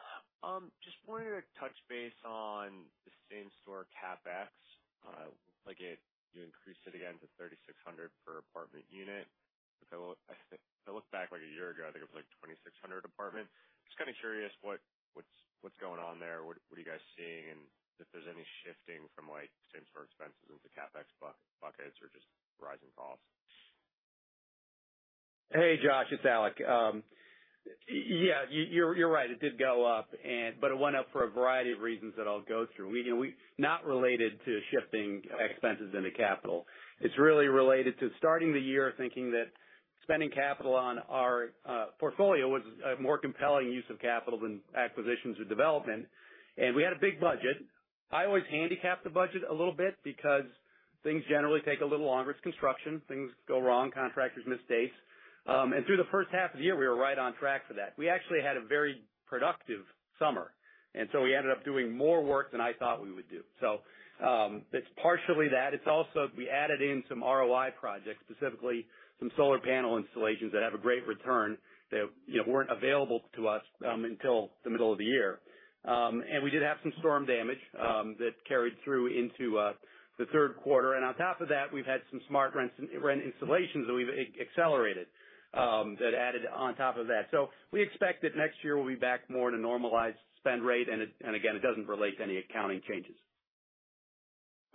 Just wanted to touch base on the same-store CapEx. Looks like it, you increased it again to 3,600 per apartment unit. If I look back like a year ago, I think it was like 2,600 apartment. Just kind of curious what, what's, what's going on there, what, what are you guys seeing, and if there's any shifting from, like, same-store expenses into CapEx buck-buckets or just rising costs? Hey, Josh, it's Alec. Yeah, you're right. It did go up, but it went up for a variety of reasons that I'll go through. You know, not related to shifting expenses into capital. It's really related to starting the year thinking that spending capital on our portfolio was a more compelling use of capital than acquisitions or development. And we had a big budget. I always handicap the budget a little bit because things generally take a little longer. It's construction, things go wrong, contractors' mistakes. And through the H1 of the year, we were right on track for that. We actually had a very productive summer, and so we ended up doing more work than I thought we would do. So, it's partially that. It's also we added in some ROI projects, specifically some solar panel installations that have a great return, that, you know, weren't available to us until the middle of the year. And we did have some storm damage that carried through into the Q3. And on top of that, we've had some SmartRent installations that we've accelerated that added on top of that. So we expect that next year we'll be back more in a normalized spend rate, and it, and again, it doesn't relate to any accounting changes.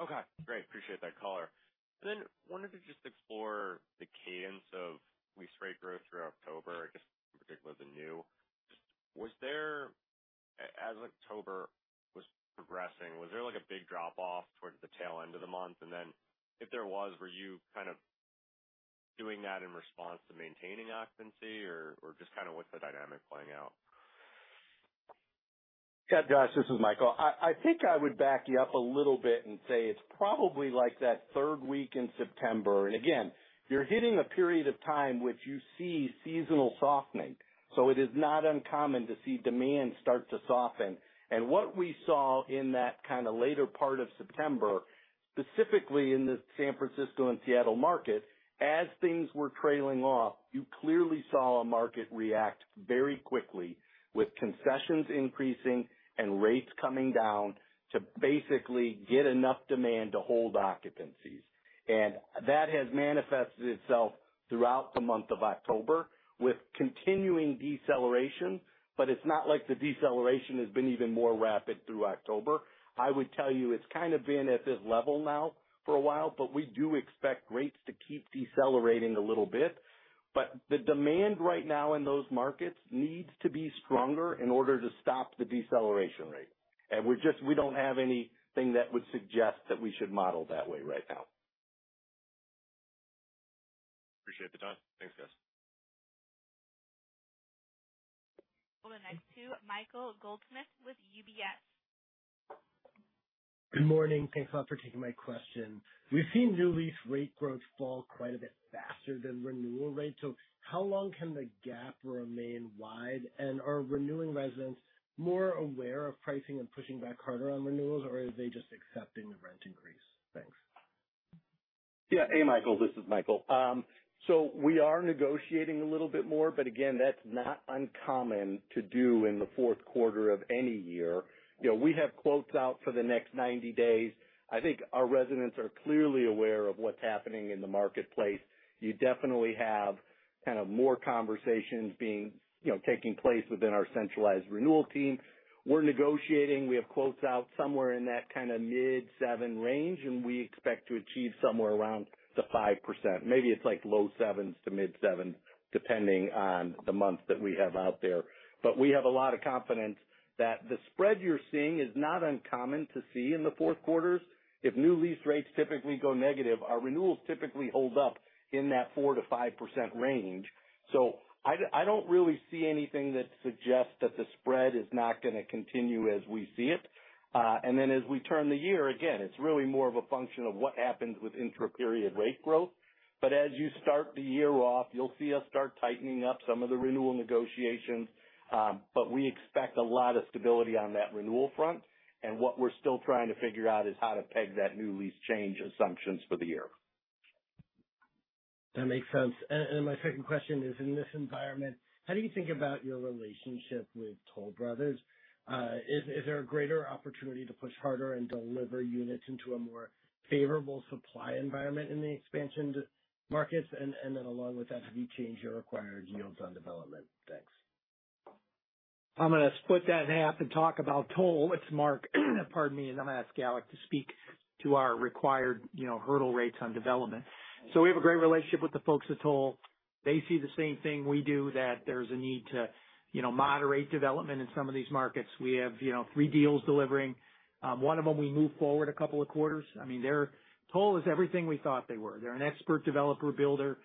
Okay, great. Appreciate that color. And then wanted to just explore the cadence of lease rate growth through October, just in particular, the new. Was there... As October was progressing, was there like a big drop-off towards the tail end of the month? And then if there was, were you kind of doing that in response to maintaining occupancy or, or just kind of what's the dynamic playing out? Yeah, Josh, this is Michael. I think I would back you up a little bit and say it's probably like that third week in September. And again, you're hitting a period of time which you see seasonal softening, so it is not uncommon to see demand start to soften. And what we saw in that kind of later part of September, specifically in the San Francisco and Seattle market, as things were trailing off, you clearly saw a market react very quickly with concessions increasing and rates coming down to basically get enough demand to hold occupancies. And that has manifested itself throughout the month of October with continuing deceleration, but it's not like the deceleration has been even more rapid through October. I would tell you it's kind of been at this level now for a while, but we do expect rates to keep decelerating a little bit. The demand right now in those markets needs to be stronger in order to stop the deceleration rate. And we're just, we don't have anything that would suggest that we should model that way right now. Appreciate the time. Thanks, guys. We'll go next to Michael Goldsmith with UBS. Good morning. Thanks a lot for taking my question. We've seen new lease rate growth fall quite a bit faster than renewal rates. So how long can the gap remain wide? And are renewing residents more aware of pricing and pushing back harder on renewals, or are they just accepting the rent increase? Thanks. Yeah. Hey, Michael, this is Michael. So we are negotiating a little bit more, but again, that's not uncommon to do in the Q4 of any year. You know, we have quotes out for the next 90 days. I think our residents are clearly aware of what's happening in the marketplace. You definitely have kind of more conversations being, you know, taking place within our centralized renewal team. We're negotiating. We have quotes out somewhere in that kind of mid-7 range, and we expect to achieve somewhere around the 5%. Maybe it's like low 7s to mid 7s, depending on the month that we have out there. But we have a lot of confidence that the spread you're seeing is not uncommon to see in the Q4s. If new lease rates typically go negative, our renewals typically hold up in that 4%-5% range. So I don't really see anything that suggests that the spread is not going to continue as we see it. And then as we turn the year, again, it's really more of a function of what happens with intra-period rate growth. But as you start the year off, you'll see us start tightening up some of the renewal negotiations. But we expect a lot of stability on that renewal front, and what we're still trying to figure out is how to peg that new lease change assumptions for the year. That makes sense. And my second question is, in this environment, how do you think about your relationship with Toll Brothers? Is there a greater opportunity to push harder and deliver units into a more favorable supply environment in the expansion markets? And then along with that, have you changed your required yields on development? Thanks. I'm going to split that in half and talk about Toll. It's Mark. Pardon me, and I'm going to ask Alec to speak to our required, you know, hurdle rates on development. So we have a great relationship with the folks at Toll. They see the same thing we do, that there's a need to, you know, moderate development in some of these markets. We have, you know, three deals delivering. One of them we moved forward a couple of quarters. I mean, they're... Toll is everything we thought they were. They're an expert developer builder.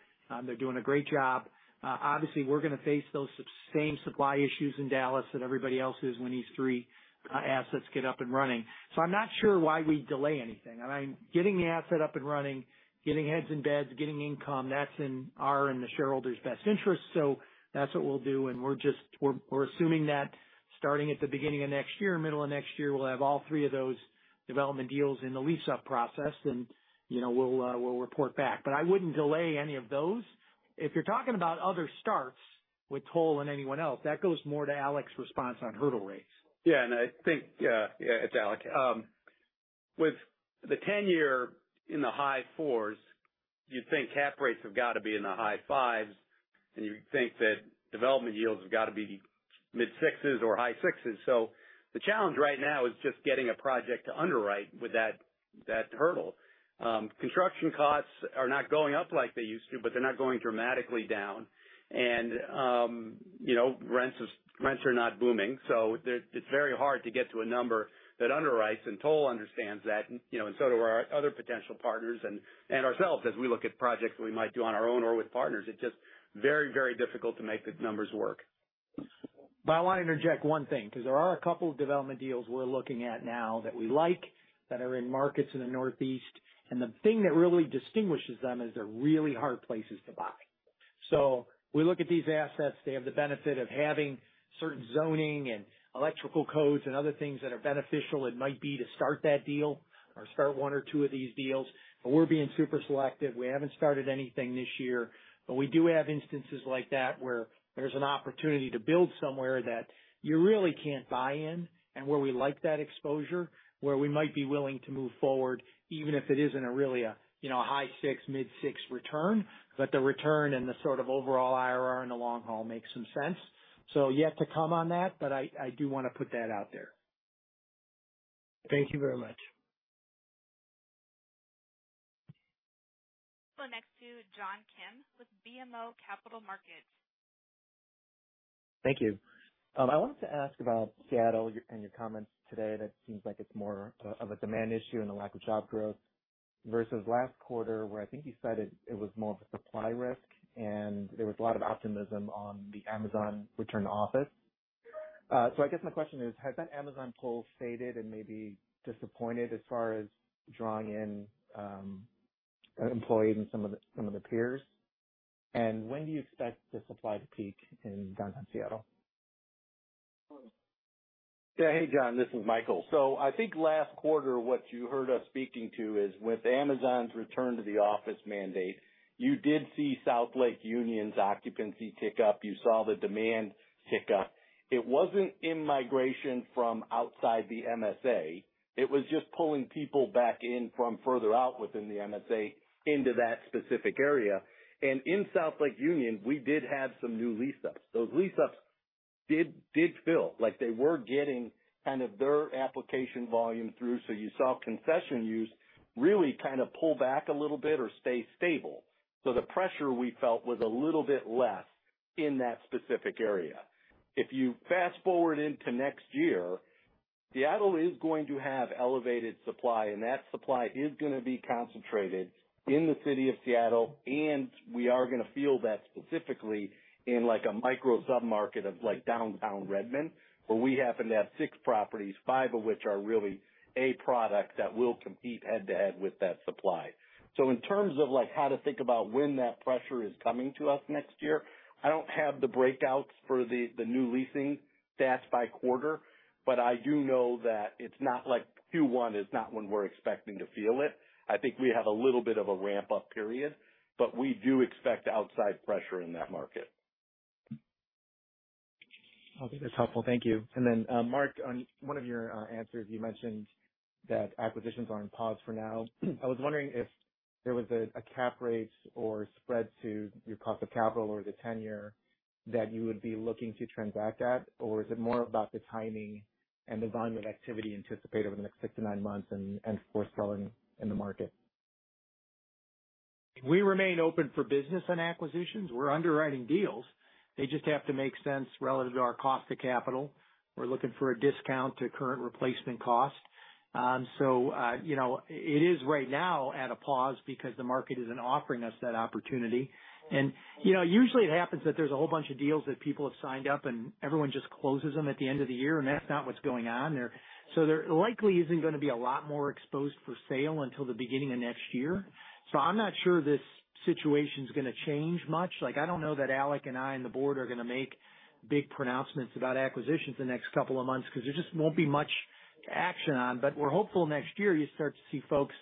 They're doing a great job. Obviously, we're going to face those same supply issues in Dallas that everybody else is when these three assets get up and running. So I'm not sure why we'd delay anything. I mean, getting the asset up and running, getting heads in beds, getting income, that's in our and the shareholders' best interest. So that's what we'll do, and we're assuming that starting at the beginning of next year, middle of next year, we'll have all three of those development deals in the lease-up process. And, you know, we'll report back, but I wouldn't delay any of those. If you're talking about other starts with Toll and anyone else, that goes more to Alec's response on hurdle rates. Yeah, and I think... Yeah, it's Alec. With the 10-year in the high fours, you'd think cap rates have got to be in the high fives, and you'd think that development yields have got to be mid-sixes or high sixes. So the challenge right now is just getting a project to underwrite with that, that hurdle. Construction costs are not going up like they used to, but they're not going dramatically down. And, you know, rents are not booming, so it, it's very hard to get to a number that underwrites and Toll understands that, you know, and so do our other potential partners and, and ourselves as we look at projects we might do on our own or with partners. It's just very, very difficult to make the numbers work. But I want to interject one thing, because there are a couple of development deals we're looking at now that we like, that are in markets in the Northeast, and the thing that really distinguishes them is they're really hard places to buy. So we look at these assets, they have the benefit of having certain zoning and electrical codes and other things that are beneficial. It might be to start that deal or start one or two of these deals. But we're being super selective. We haven't started anything this year, but we do have instances like that where there's an opportunity to build somewhere that you really can't buy in, and where we like that exposure, where we might be willing to move forward, even if it isn't a really, you know, a high 6, mid-6 return, but the return and the sort of overall IRR in the long haul makes some sense. So yet to come on that, but I do want to put that out there. Thank you very much. We'll next to John Kim with BMO Capital Markets. Thank you. I wanted to ask about Seattle and your comments today. That seems like it's more of a demand issue and a lack of job growth versus last quarter, where I think you said it was more of a supply risk, and there was a lot of optimism on the Amazon return to office. So I guess my question is: Has that Amazon pull faded and maybe disappointed as far as drawing in employees and some of their peers? And when do you expect the supply to peak in downtown Seattle? Yeah. Hey, John, this is Michael. So I think last quarter, what you heard us speaking to is, with Amazon's return to the office mandate, you did see South Lake Union's occupancy tick up. You saw the demand tick up. It wasn't in migration from outside the MSA. It was just pulling people back in from further out within the MSA into that specific area. And in South Lake Union, we did have some new lease-ups. Those lease-ups did, did fill. Like, they were getting kind of their application volume through. So you saw concession use really kind of pull back a little bit or stay stable. So the pressure we felt was a little bit less in that specific area. If you fast-forward into next year, Seattle is going to have elevated supply, and that supply is gonna be concentrated in the city of Seattle, and we are gonna feel that specifically in, like, a micro submarket of, like, downtown Redmond, where we happen to have six properties, five of which are really A product that will compete head-to-head with that supply. So in terms of, like, how to think about when that pressure is coming to us next year, I don't have the breakouts for the new leasing stats by quarter, but I do know that it's not like Q1 is not when we're expecting to feel it. I think we have a little bit of a ramp-up period, but we do expect outside pressure in that market. Okay, that's helpful. Thank you. And then, Mark, on one of your answers, you mentioned that acquisitions are on pause for now. I was wondering if there was a cap rate or spread to your cost of capital or the 10-year that you would be looking to transact at? Or is it more about the timing and the volume of activity anticipated over the next 6-9 months and foretelling in the market? We remain open for business on acquisitions. We're underwriting deals. They just have to make sense relative to our cost of capital. We're looking for a discount to current replacement cost. You know, it is right now at a pause because the market isn't offering us that opportunity. You know, usually it happens that there's a whole bunch of deals that people have signed up, and everyone just closes them at the end of the year, and that's not what's going on there. So there likely isn't gonna be a lot more exposed for sale until the beginning of next year. So I'm not sure this situation's gonna change much. Like, I don't know that Alec and I and the board are gonna make big pronouncements about acquisitions the next couple of months because there just won't be much to action on. But we're hopeful next year you start to see folks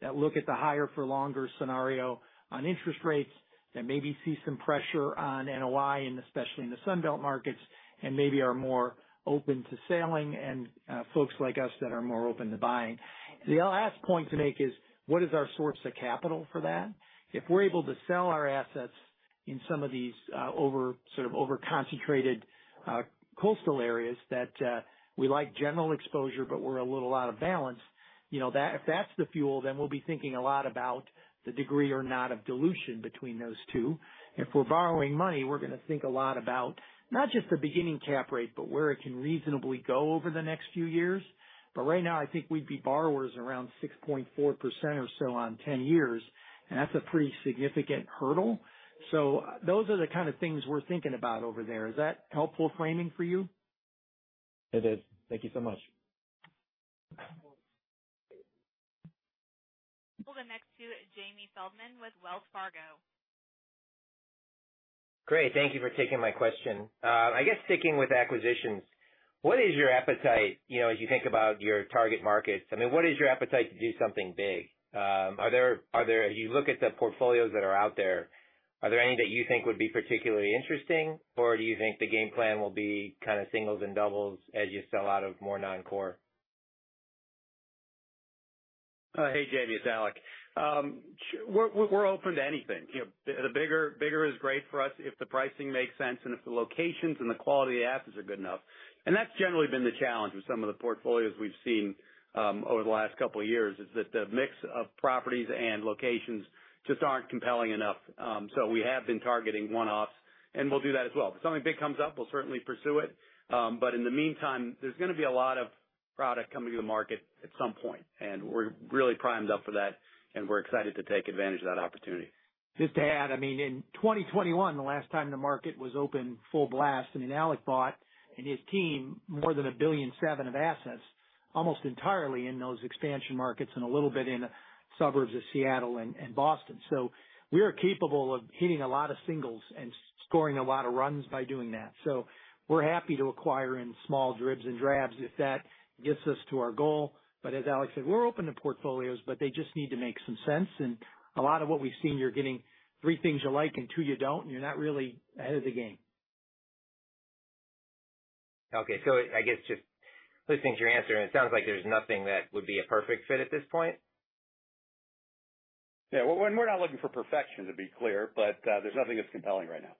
that look at the higher for longer scenario on interest rates, that maybe see some pressure on NOI, and especially in the Sun Belt markets, and maybe are more open to selling and, folks like us that are more open to buying. The last point to make is: What is our source of capital for that? If we're able to sell our assets in some of these, sort of over-concentrated, coastal areas that, we like general exposure, but we're a little out of balance, you know, that if that's the fuel, then we'll be thinking a lot about the degree or not of dilution between those two. If we're borrowing money, we're gonna think a lot about not just the beginning cap rate, but where it can reasonably go over the next few years. But right now, I think we'd be borrowers around 6.4% or so on 10 years, and that's a pretty significant hurdle. So those are the kind of things we're thinking about over there. Is that helpful framing for you? It is. Thank you so much. We'll go next to Jamie Feldman with Wells Fargo. Great. Thank you for taking my question. I guess sticking with acquisitions, what is your appetite, you know, as you think about your target markets? I mean, what is your appetite to do something big? Are there-- as you look at the portfolios that are out there, are there any that you think would be particularly interesting, or do you think the game plan will be kind of singles and doubles as you sell out of more non-core? Hey, Jamie, it's Alec. We're open to anything. You know, the bigger is great for us if the pricing makes sense and if the locations and the quality of the assets are good enough. And that's generally been the challenge with some of the portfolios we've seen over the last couple of years, is that the mix of properties and locations just aren't compelling enough. So we have been targeting one-offs, and we'll do that as well. If something big comes up, we'll certainly pursue it. But in the meantime, there's gonna be a lot of product coming to the market at some point, and we're really primed up for that, and we're excited to take advantage of that opportunity. Just to add, I mean, in 2021, the last time the market was open, full blast, I mean, Alec bought, and his team, more than $1.7 billion of assets, almost entirely in those expansion markets and a little bit in the suburbs of Seattle and Boston. So we are capable of hitting a lot of singles and scoring a lot of runs by doing that. So we're happy to acquire in small dribs and drabs if that gets us to our goal. But as Alec said, we're open to portfolios, but they just need to make some sense. And a lot of what we've seen, you're getting three things you like and two you don't, and you're not really ahead of the game. Okay. I guess just listening to your answer, and it sounds like there's nothing that would be a perfect fit at this point? Yeah, we're, we're not looking for perfection, to be clear, but there's nothing that's compelling right now.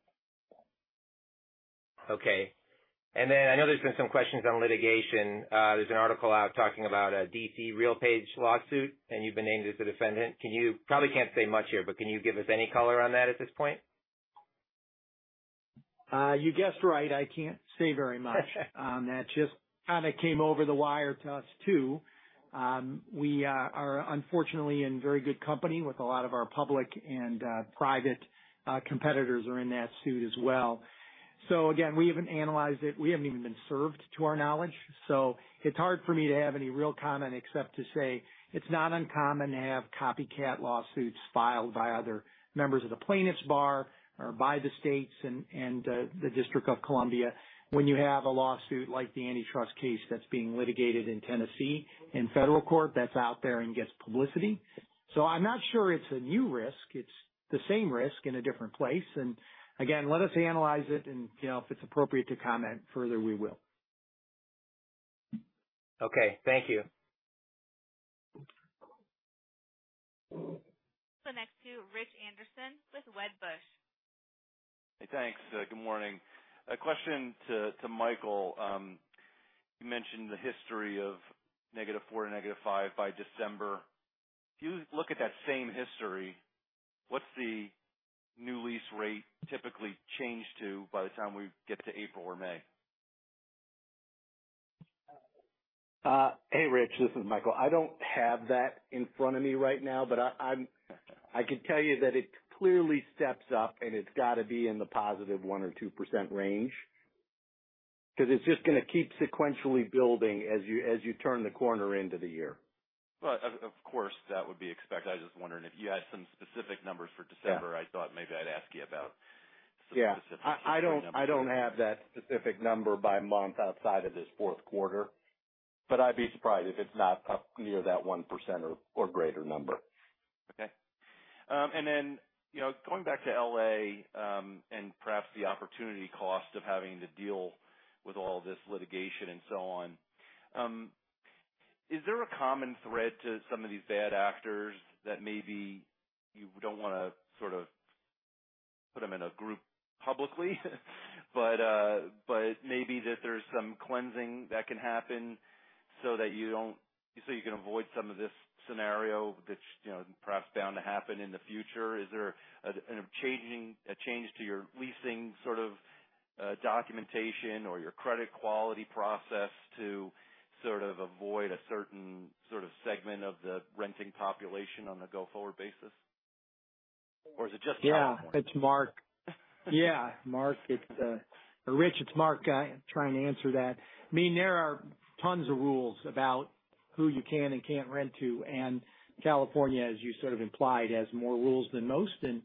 Okay. And then I know there's been some questions on litigation. There's an article out talking about a D.C. RealPage lawsuit, and you've been named as the defendant. Can you... Probably can't say much here, but can you give us any color on that at this point? You guessed right. I can't say very much. That just kind of came over the wire to us, too. We are unfortunately in very good company with a lot of our public and private competitors are in that suit as well. So again, we haven't analyzed it. We haven't even been served, to our knowledge, so it's hard for me to have any real comment except to say it's not uncommon to have copycat lawsuits filed by other members of the plaintiffs' bar or by the states and the District of Columbia when you have a lawsuit like the antitrust case that's being litigated in Tennessee, in federal court, that's out there and gets publicity. So I'm not sure it's a new risk. It's the same risk in a different place, and again, let us analyze it, and, you know, if it's appropriate to comment further, we will. Okay, thank you.... Rich Anderson with Wedbush. Hey, thanks. Good morning. A question to, to Michael. You mentioned the history of -4% to -5% by December. If you look at that same history, what's the new lease rate typically change to by the time we get to April or May? Hey, Rich, this is Michael. I don't have that in front of me right now, but I'm—I can tell you that it clearly steps up, and it's got to be in the positive 1%-2% range, 'cause it's just gonna keep sequentially building as you turn the corner into the year. Well, of course, that would be expected. I was just wondering if you had some specific numbers for December- Yeah. I thought maybe I'd ask you about specific numbers. Yeah. I don't have that specific number by month outside of this Q4, but I'd be surprised if it's not up near that 1% or greater number. Okay. And then, you know, going back to LA, and perhaps the opportunity cost of having to deal with all this litigation and so on, is there a common thread to some of these bad actors that maybe you don't wanna sort of put them in a group publicly? But maybe that there's some cleansing that can happen so that you don't... So you can avoid some of this scenario that's, you know, perhaps bound to happen in the future. Is there a change to your leasing sort of documentation or your credit quality process to sort of avoid a certain sort of segment of the renting population on a go-forward basis? Or is it just- Yeah. It's Mark. Yeah, Mark, it's Rich, it's Mark. I'm trying to answer that. I mean, there are tons of rules about who you can and can't rent to, and California, as you sort of implied, has more rules than most, and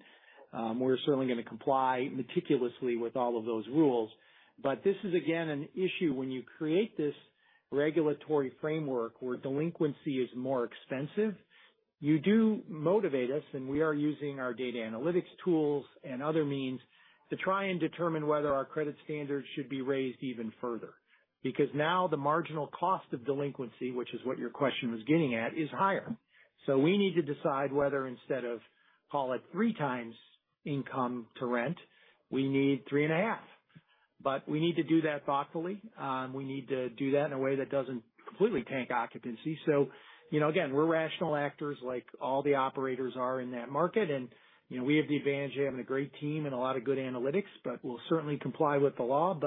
we're certainly gonna comply meticulously with all of those rules. But this is, again, an issue when you create this regulatory framework where delinquency is more expensive, you do motivate us, and we are using our data analytics tools and other means to try and determine whether our credit standards should be raised even further. Because now the marginal cost of delinquency, which is what your question was getting at, is higher. So we need to decide whether instead of call it three times income to rent, we need three and a half. But we need to do that thoughtfully, we need to do that in a way that doesn't completely tank occupancy. So, you know, again, we're rational actors, like all the operators are in that market, and, you know, we have the advantage of having a great team and a lot of good analytics, but we'll certainly comply with the law.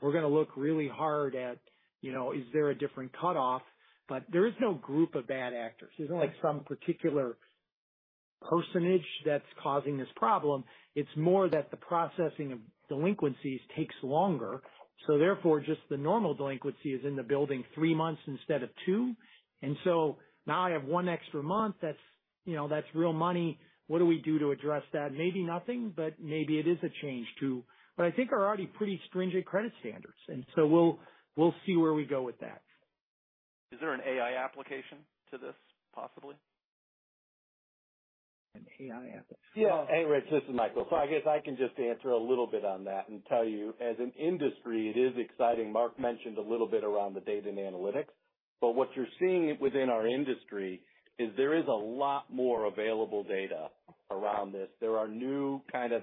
But we're gonna look really hard at, you know, is there a different cutoff? But there is no group of bad actors. There's no, like, some particular personage that's causing this problem. It's more that the processing of delinquencies takes longer, so therefore, just the normal delinquency is in the building three months instead of two. And so now I have one extra month. That's, you know, that's real money. What do we do to address that? Maybe nothing, but maybe it is a change to... What I think are already pretty stringent credit standards, and so we'll, we'll see where we go with that. Is there an AI application to this, possibly? An AI application? Yeah. Hey, Rich, this is Michael. So I guess I can just answer a little bit on that and tell you as an industry, it is exciting. Mark mentioned a little bit around the data and analytics, but what you're seeing within our industry is there is a lot more available data around this. There are new kind of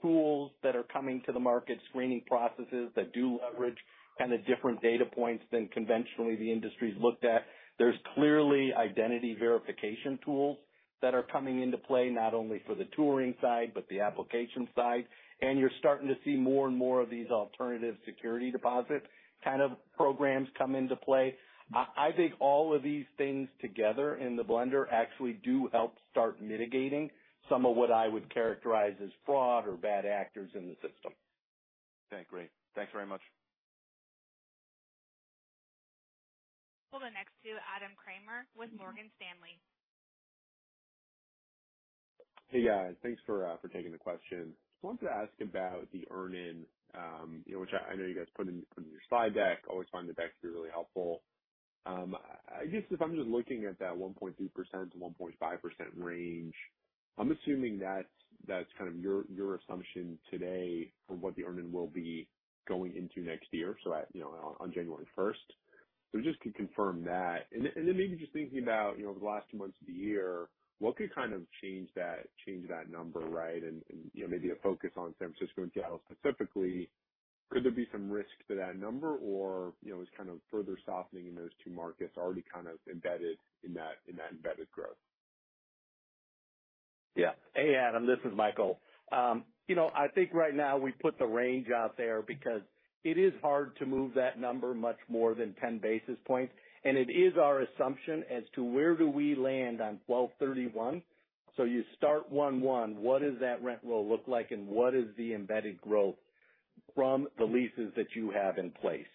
screening tools that are coming to the market, screening processes that do leverage kind of different data points than conventionally the industry's looked at. There's clearly identity verification tools that are coming into play, not only for the touring side, but the application side. And you're starting to see more and more of these alternative security deposit kind of programs come into play. I think all of these things together in the blender actually do help start mitigating some of what I would characterize as fraud or bad actors in the system. Okay, great. Thanks very much. We'll go next to Adam Kramer with Morgan Stanley. Hey, guys, thanks for taking the question. I wanted to ask about the earn-in, you know, which I know you guys put in your slide deck. Always find the deck to be really helpful. I guess if I'm just looking at that 1.2%-1.5% range, I'm assuming that's kind of your assumption today for what the earn-in will be going into next year, so, you know, on January first. So just to confirm that. And then maybe just thinking about, you know, the last two months of the year, what could kind of change that number, right? And, you know, maybe to focus on San Francisco and Seattle specifically, could there be some risk to that number? Or, you know, is kind of further softening in those two markets already kind of embedded in that, in that embedded growth? Yeah. Hey, Adam, this is Michael. You know, I think right now we put the range out there because it is hard to move that number much more than 10 basis points, and it is our assumption as to where do we land on 12/31. So you start 1/1, what does that rent roll look like and what is the embedded growth from the leases that you have in place?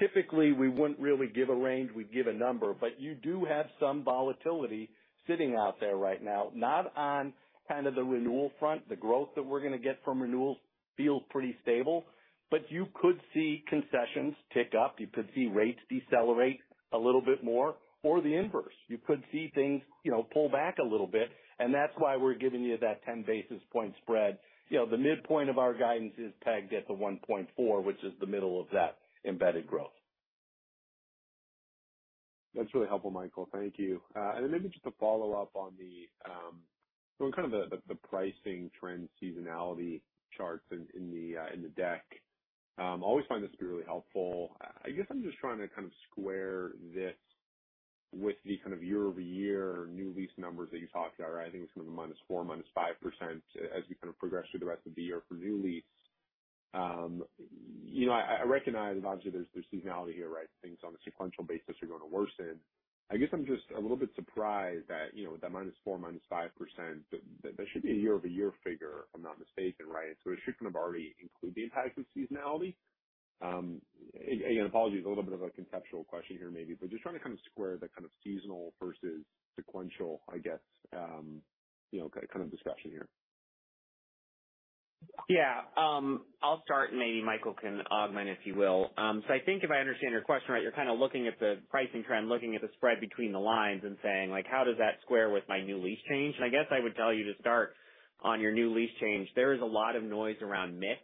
Typically, we wouldn't really give a range, we'd give a number, but you do have some volatility sitting out there right now, not on kind of the renewal front. The growth that we're gonna get from renewals feels pretty stable, but you could see concessions tick up. You could see rates decelerate a little bit more, or the inverse. You could see things, you know, pull back a little bit, and that's why we're giving you that 10 basis points spread. You know, the midpoint of our guidance is pegged at the 1.4, which is the middle of that Embedded Growth. ... That's really helpful, Michael. Thank you. And then maybe just to follow up on the kind of the pricing trend seasonality charts in the deck. Always find this to be really helpful. I guess I'm just trying to kind of square this with the kind of year-over-year new lease numbers that you talked about. I think it's kind of a -4%-5% as you kind of progress through the rest of the year for new leases. You know, I recognize obviously there's seasonality here, right? Things on a sequential basis are going to worsen. I guess I'm just a little bit surprised that, you know, that -4%-5%, that should be a year-over-year figure, if I'm not mistaken, right? So it should kind of already include the impact of seasonality. Again, apologies, a little bit of a conceptual question here maybe, but just trying to kind of square the kind of seasonal versus sequential, I guess, you know, kind of discussion here. Yeah. I'll start, and maybe Michael can augment, if you will. So I think if I understand your question right, you're kind of looking at the pricing trend, looking at the spread between the lines and saying, like, "How does that square with my new lease change?" And I guess I would tell you to start on your new lease change. There is a lot of noise around mix,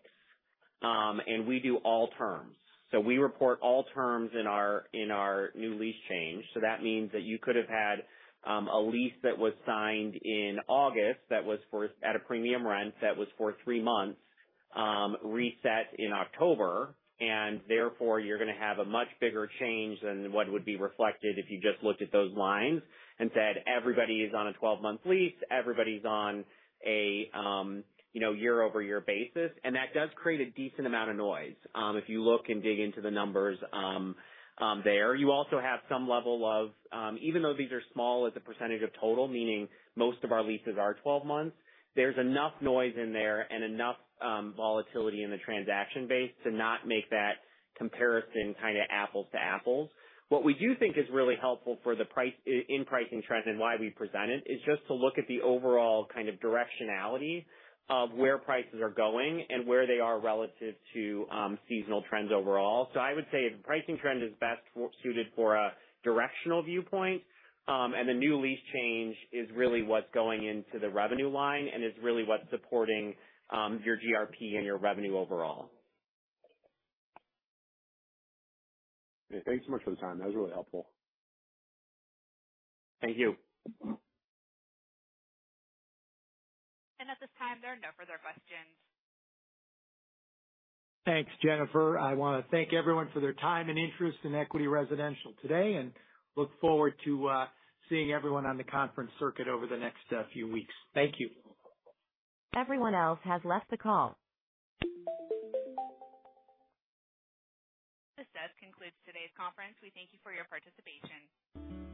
and we do all terms. So we report all terms in our, in our new lease change. So that means that you could have had, a lease that was signed in August, that was for at a premium rent, that was for three months, reset in October, and therefore you're gonna have a much bigger change than what would be reflected if you just looked at those lines and said, "Everybody is on a twelve-month lease. Everybody's on a, you know, year-over-year basis." That does create a decent amount of noise, if you look and dig into the numbers, there. You also have some level of... Even though these are small as a percentage of total, meaning most of our leases are 12 months, there's enough noise in there and enough volatility in the transaction base to not make that comparison kind of apples to apples. What we do think is really helpful for the price, in pricing trends and why we present it, is just to look at the overall kind of directionality of where prices are going and where they are relative to seasonal trends overall. I would say a pricing trend is best suited for a directional viewpoint, and the new lease change is really what's going into the revenue line and is really what's supporting your GRP and your revenue overall. Thanks so much for the time. That was really helpful. Thank you. At this time, there are no further questions. Thanks, Jennifer. I want to thank everyone for their time and interest in Equity Residential today, and look forward to seeing everyone on the conference circuit over the next few weeks. Thank you. Everyone else has left the call. This does conclude today's conference. We thank you for your participation.